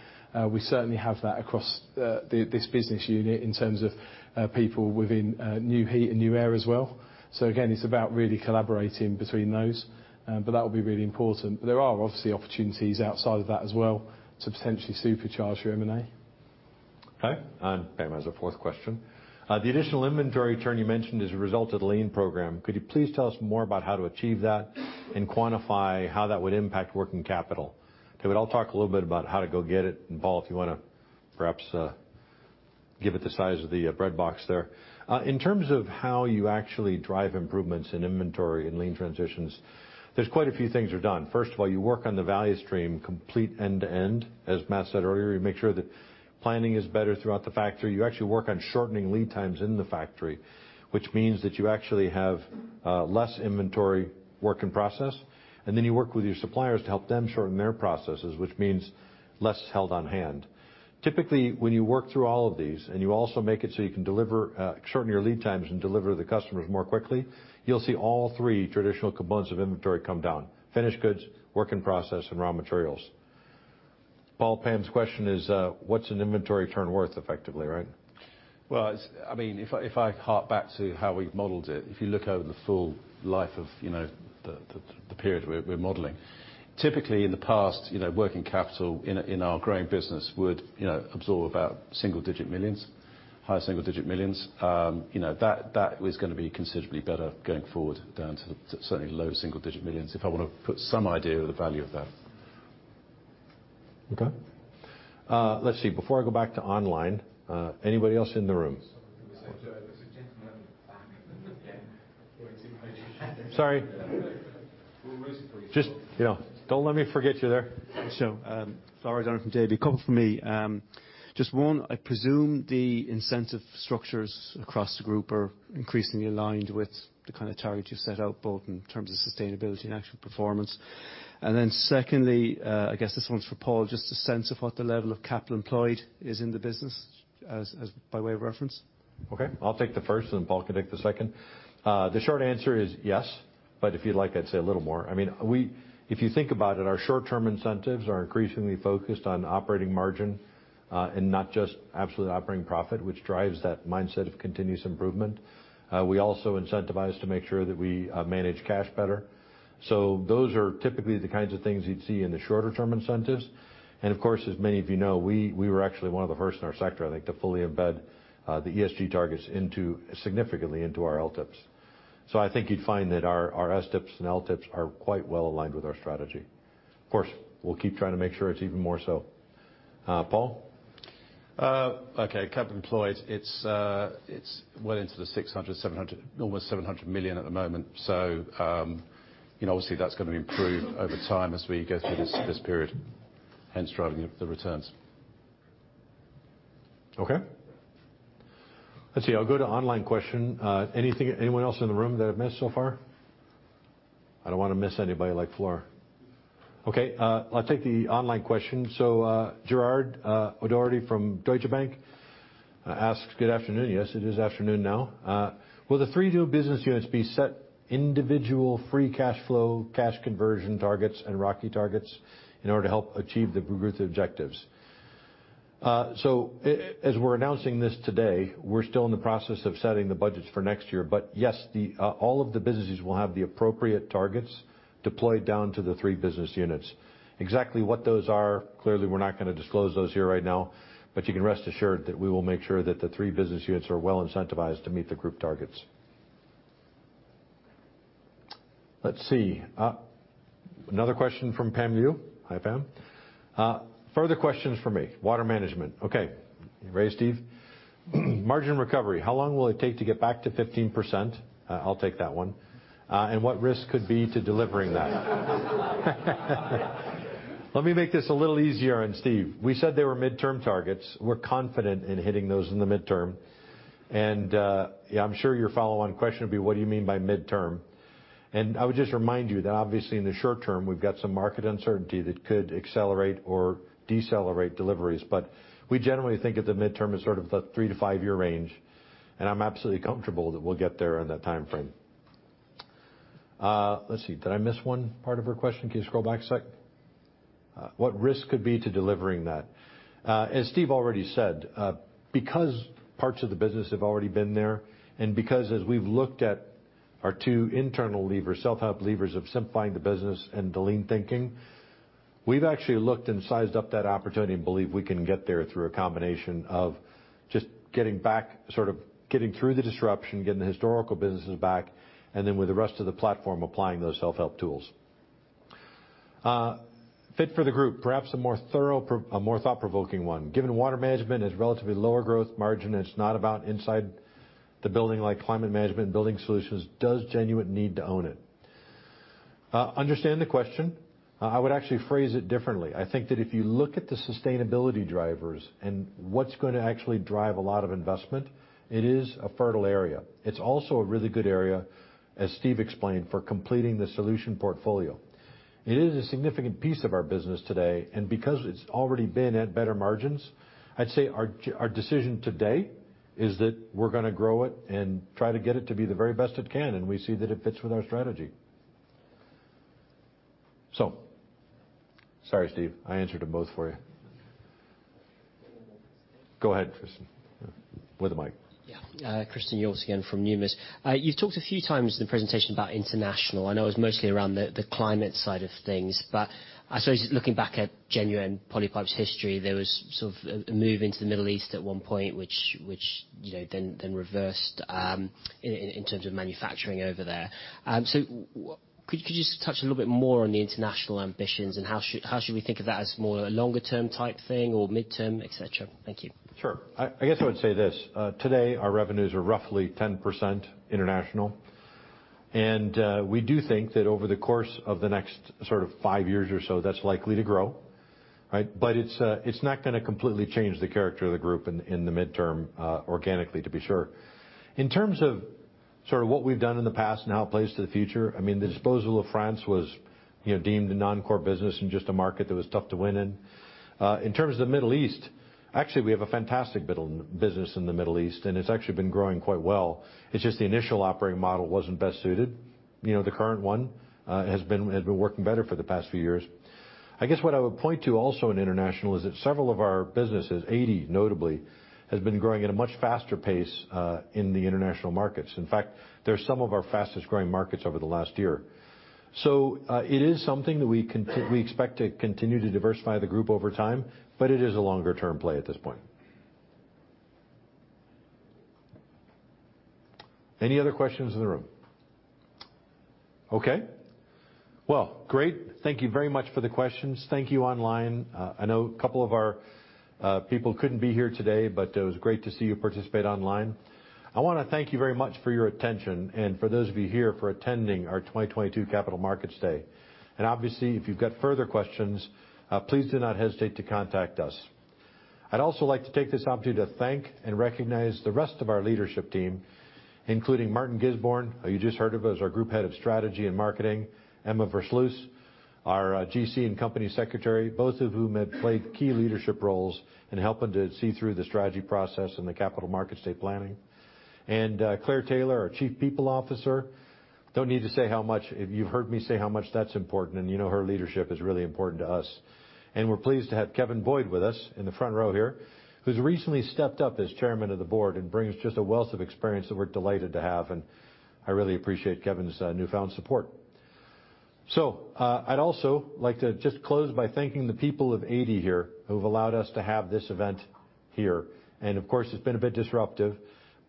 We certainly have that across this business unit in terms of people within Nu-Heat and Nuaire as well. Again, it's about really collaborating between those. That will be really important. There are obviously opportunities outside of that as well to potentially supercharge your M&A. Okay. Pam has a fourth question. The additional inventory turn you mentioned is a result of the lean program. Could you please tell us more about how to achieve that and quantify how that would impact working capital? Okay. Well, I'll talk a little bit about how to go get it. Paul, if you wanna perhaps give it the size of the bread box there. In terms of how you actually drive improvements in inventory and lean transitions, there's quite a few things are done. First of all, you work on the value stream complete end to end. As Matt said earlier, you make sure that planning is better throughout the factory. You actually work on shortening lead times in the factory, which means that you actually have less inventory work in process, and then you work with your suppliers to help them shorten their processes, which means less held on hand. Typically, when you work through all of these, and you also make it so you can deliver, shorten your lead times and deliver to the customers more quickly, you'll see all three traditional components of inventory come down: finished goods, work in process, and raw materials. Paul, Pam's question is, what's an inventory turn worth effectively, right? Well, it's, I mean, if I, if I hark back to how we've modeled it, if you look over the full life of the period we're modeling, typically in the past, working capital in a, in our growing business would absorb about single digit millions, high single digit millions. That is gonna be considerably better going forward down to the, to certainly low single digit millions, if I want to put some idea of the value of that. Okay. let's see. Before I go back to online, anybody else in the room? There's a gentleman at the back. Sorry. Just, you know, don't let me forget you there. Sure. Flora Dower from Jefferies. A couple from me. Just one, I presume the incentive structures across the group are increasingly aligned with the kind of targets you set out, both in terms of sustainability and actual performance. Secondly, I guess this one's for Paul, just a sense of what the level of capital employed is in the business as by way of reference. Okay. I'll take the first, and Paul can take the second. The short answer is yes, but if you'd like, I'd say a little more. I mean, if you think about it, our short-term incentives are increasingly focused on operating margin, and not just absolute operating profit, which drives that mindset of continuous improvement. We also incentivize to make sure that we manage cash better. Those are typically the kinds of things you'd see in the shorter term incentives. Of course, as many of you know, we were actually one of the first in our sector, I think, to fully embed the ESG targets into, significantly into our LTIPs. I think you'd find that our STIPs and LTIPs are quite well aligned with our strategy. Of course, we'll keep trying to make sure it's even more so. Paul? Okay. Capital employed, it's well into the 600 million, 700 million, almost 700 million at the moment. You know, obviously, that's gonna improve over time as we get through this period, hence driving the returns. Okay. Let's see. I'll go to online question. Anything, anyone else in the room that I've missed so far? I don't want to miss anybody like Flora. Okay. I'll take the online question. Gerard O'Doherty from Deutsche Bank asks, "Good afternoon." Yes, it is afternoon now. Will the three new business units be set individual free cash flow, cash conversion targets and ROCE targets in order to help achieve the group's objectives? As we're announcing this today, we're still in the process of setting the budgets for next year. Yes, the all of the businesses will have the appropriate targets deployed down to the three business units. Exactly what those are, clearly, we're not gonna disclose those here right now, but you can rest assured that we will make sure that the three business units are well incentivized to meet the group targets. Let's see. Another question from Pam Liu. Hi, Pam. Further questions for me. Water management. Okay. You ready, Steve? Margin recovery, how long will it take to get back to 15%? I'll take that one. What risk could be to delivering that? Let me make this a little easier on Steve. We said they were midterm targets. We're confident in hitting those in the midterm. Yeah, I'm sure your follow-on question would be, what do you mean by midterm? I would just remind you that obviously in the short term, we've got some market uncertainty that could accelerate or decelerate deliveries. We generally think of the midterm as sort of the 3-5-year range, and I'm absolutely comfortable that we'll get there in that timeframe. Let's see. Did I miss 1 part of her question? Can you scroll back a sec? What risk could be to delivering that? As Steve already said, because parts of the business have already been there, and because as we've looked at our two internal levers, self-help levers of simplifying the business and the lean thinking, we've actually looked and sized up that opportunity and believe we can get there through a combination of just getting back, sort of getting through the disruption, getting the historical businesses back, and then with the rest of the platform, applying those self-help tools. Fit for the group. Perhaps a more thorough, a more thought-provoking one. Given water management is relatively lower growth margin, it's not about inside the building like Climate Management and Building Solutions, does Genuit need to own it? Understand the question. I would actually phrase it differently. I think that if you look at the sustainability drivers and what's gonna actually drive a lot of investment, it is a fertile area. It's also a really good area, as Steve explained, for completing the solution portfolio. It is a significant piece of our business today, and because it's already been at better margins, I'd say our decision today is that we're gonna grow it and try to get it to be the very best it can, and we see that it fits with our strategy. Sorry, Steve, I answered them both for you. Go ahead, Christian, with the mic. Christian Yates again from Numis. You've talked a few times in the presentation about international. I know it's mostly around the climate side of things, but I suppose just looking back at Genuit Polypipe's history, there was sort of a move into the Middle East at one point, which, you know, then reversed in terms of manufacturing over there. Could you just touch a little bit more on the international ambitions and how should we think of that as more a longer term type thing or midterm, et cetera? Thank you. Sure. I guess I would say this. Today, our revenues are roughly 10% international. We do think that over the course of the next sort of 5 years or so, that's likely to grow, right? It's, it's not gonna completely change the character of the group in the midterm, organically to be sure. In terms of sort of what we've done in the past and how it plays to the future, I mean, the disposal of France was deemed a non-core business and just a market that was tough to win in. In terms of the Middle East, actually, we have a fantastic business in the Middle East, and it's actually been growing quite well. It's just the initial operating model wasn't best suited. The current one has been working better for the past few years. I guess what I would point to also in international is that several of our businesses, Adey, notably, has been growing at a much faster pace in the international markets. In fact, they're some of our fastest-growing markets over the last year. it is something that we expect to continue to diversify the group over time, but it is a longer-term play at this point. Any other questions in the room? Okay. Well, great. Thank you very much for the questions. Thank you online. I know a couple of our people couldn't be here today, but it was great to see you participate online. I wanna thank you very much for your attention and for those of you here for attending our 2022 Capital Markets Day. Obviously, if you've got further questions, please do not hesitate to contact us. I'd also like to take this opportunity to thank and recognize the rest of our leadership team, including Martin Gisbourne, who you just heard of as our Group Head of Strategy and Marketing, Emma Versluys, our GC and Company Secretary, both of whom have played key leadership roles in helping to see through the strategy process and the Capital Markets Day planning. Claire Taylor, our Chief People Officer. Don't need to say how much. You've heard me say how much that's important, and her leadership is really important to us. We're pleased to have Kevin Boyd with us in the front row here, who's recently stepped up as Chairman of the Board and brings just a wealth of experience that we're delighted to have. I really appreciate Kevin's newfound support. I'd also like to just close by thanking the people of Adey here who've allowed us to have this event here, and of course, it's been a bit disruptive,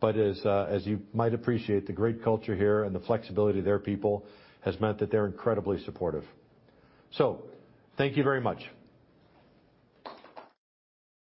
but as you might appreciate, the great culture here and the flexibility of their people has meant that they're incredibly supportive. Thank you very much.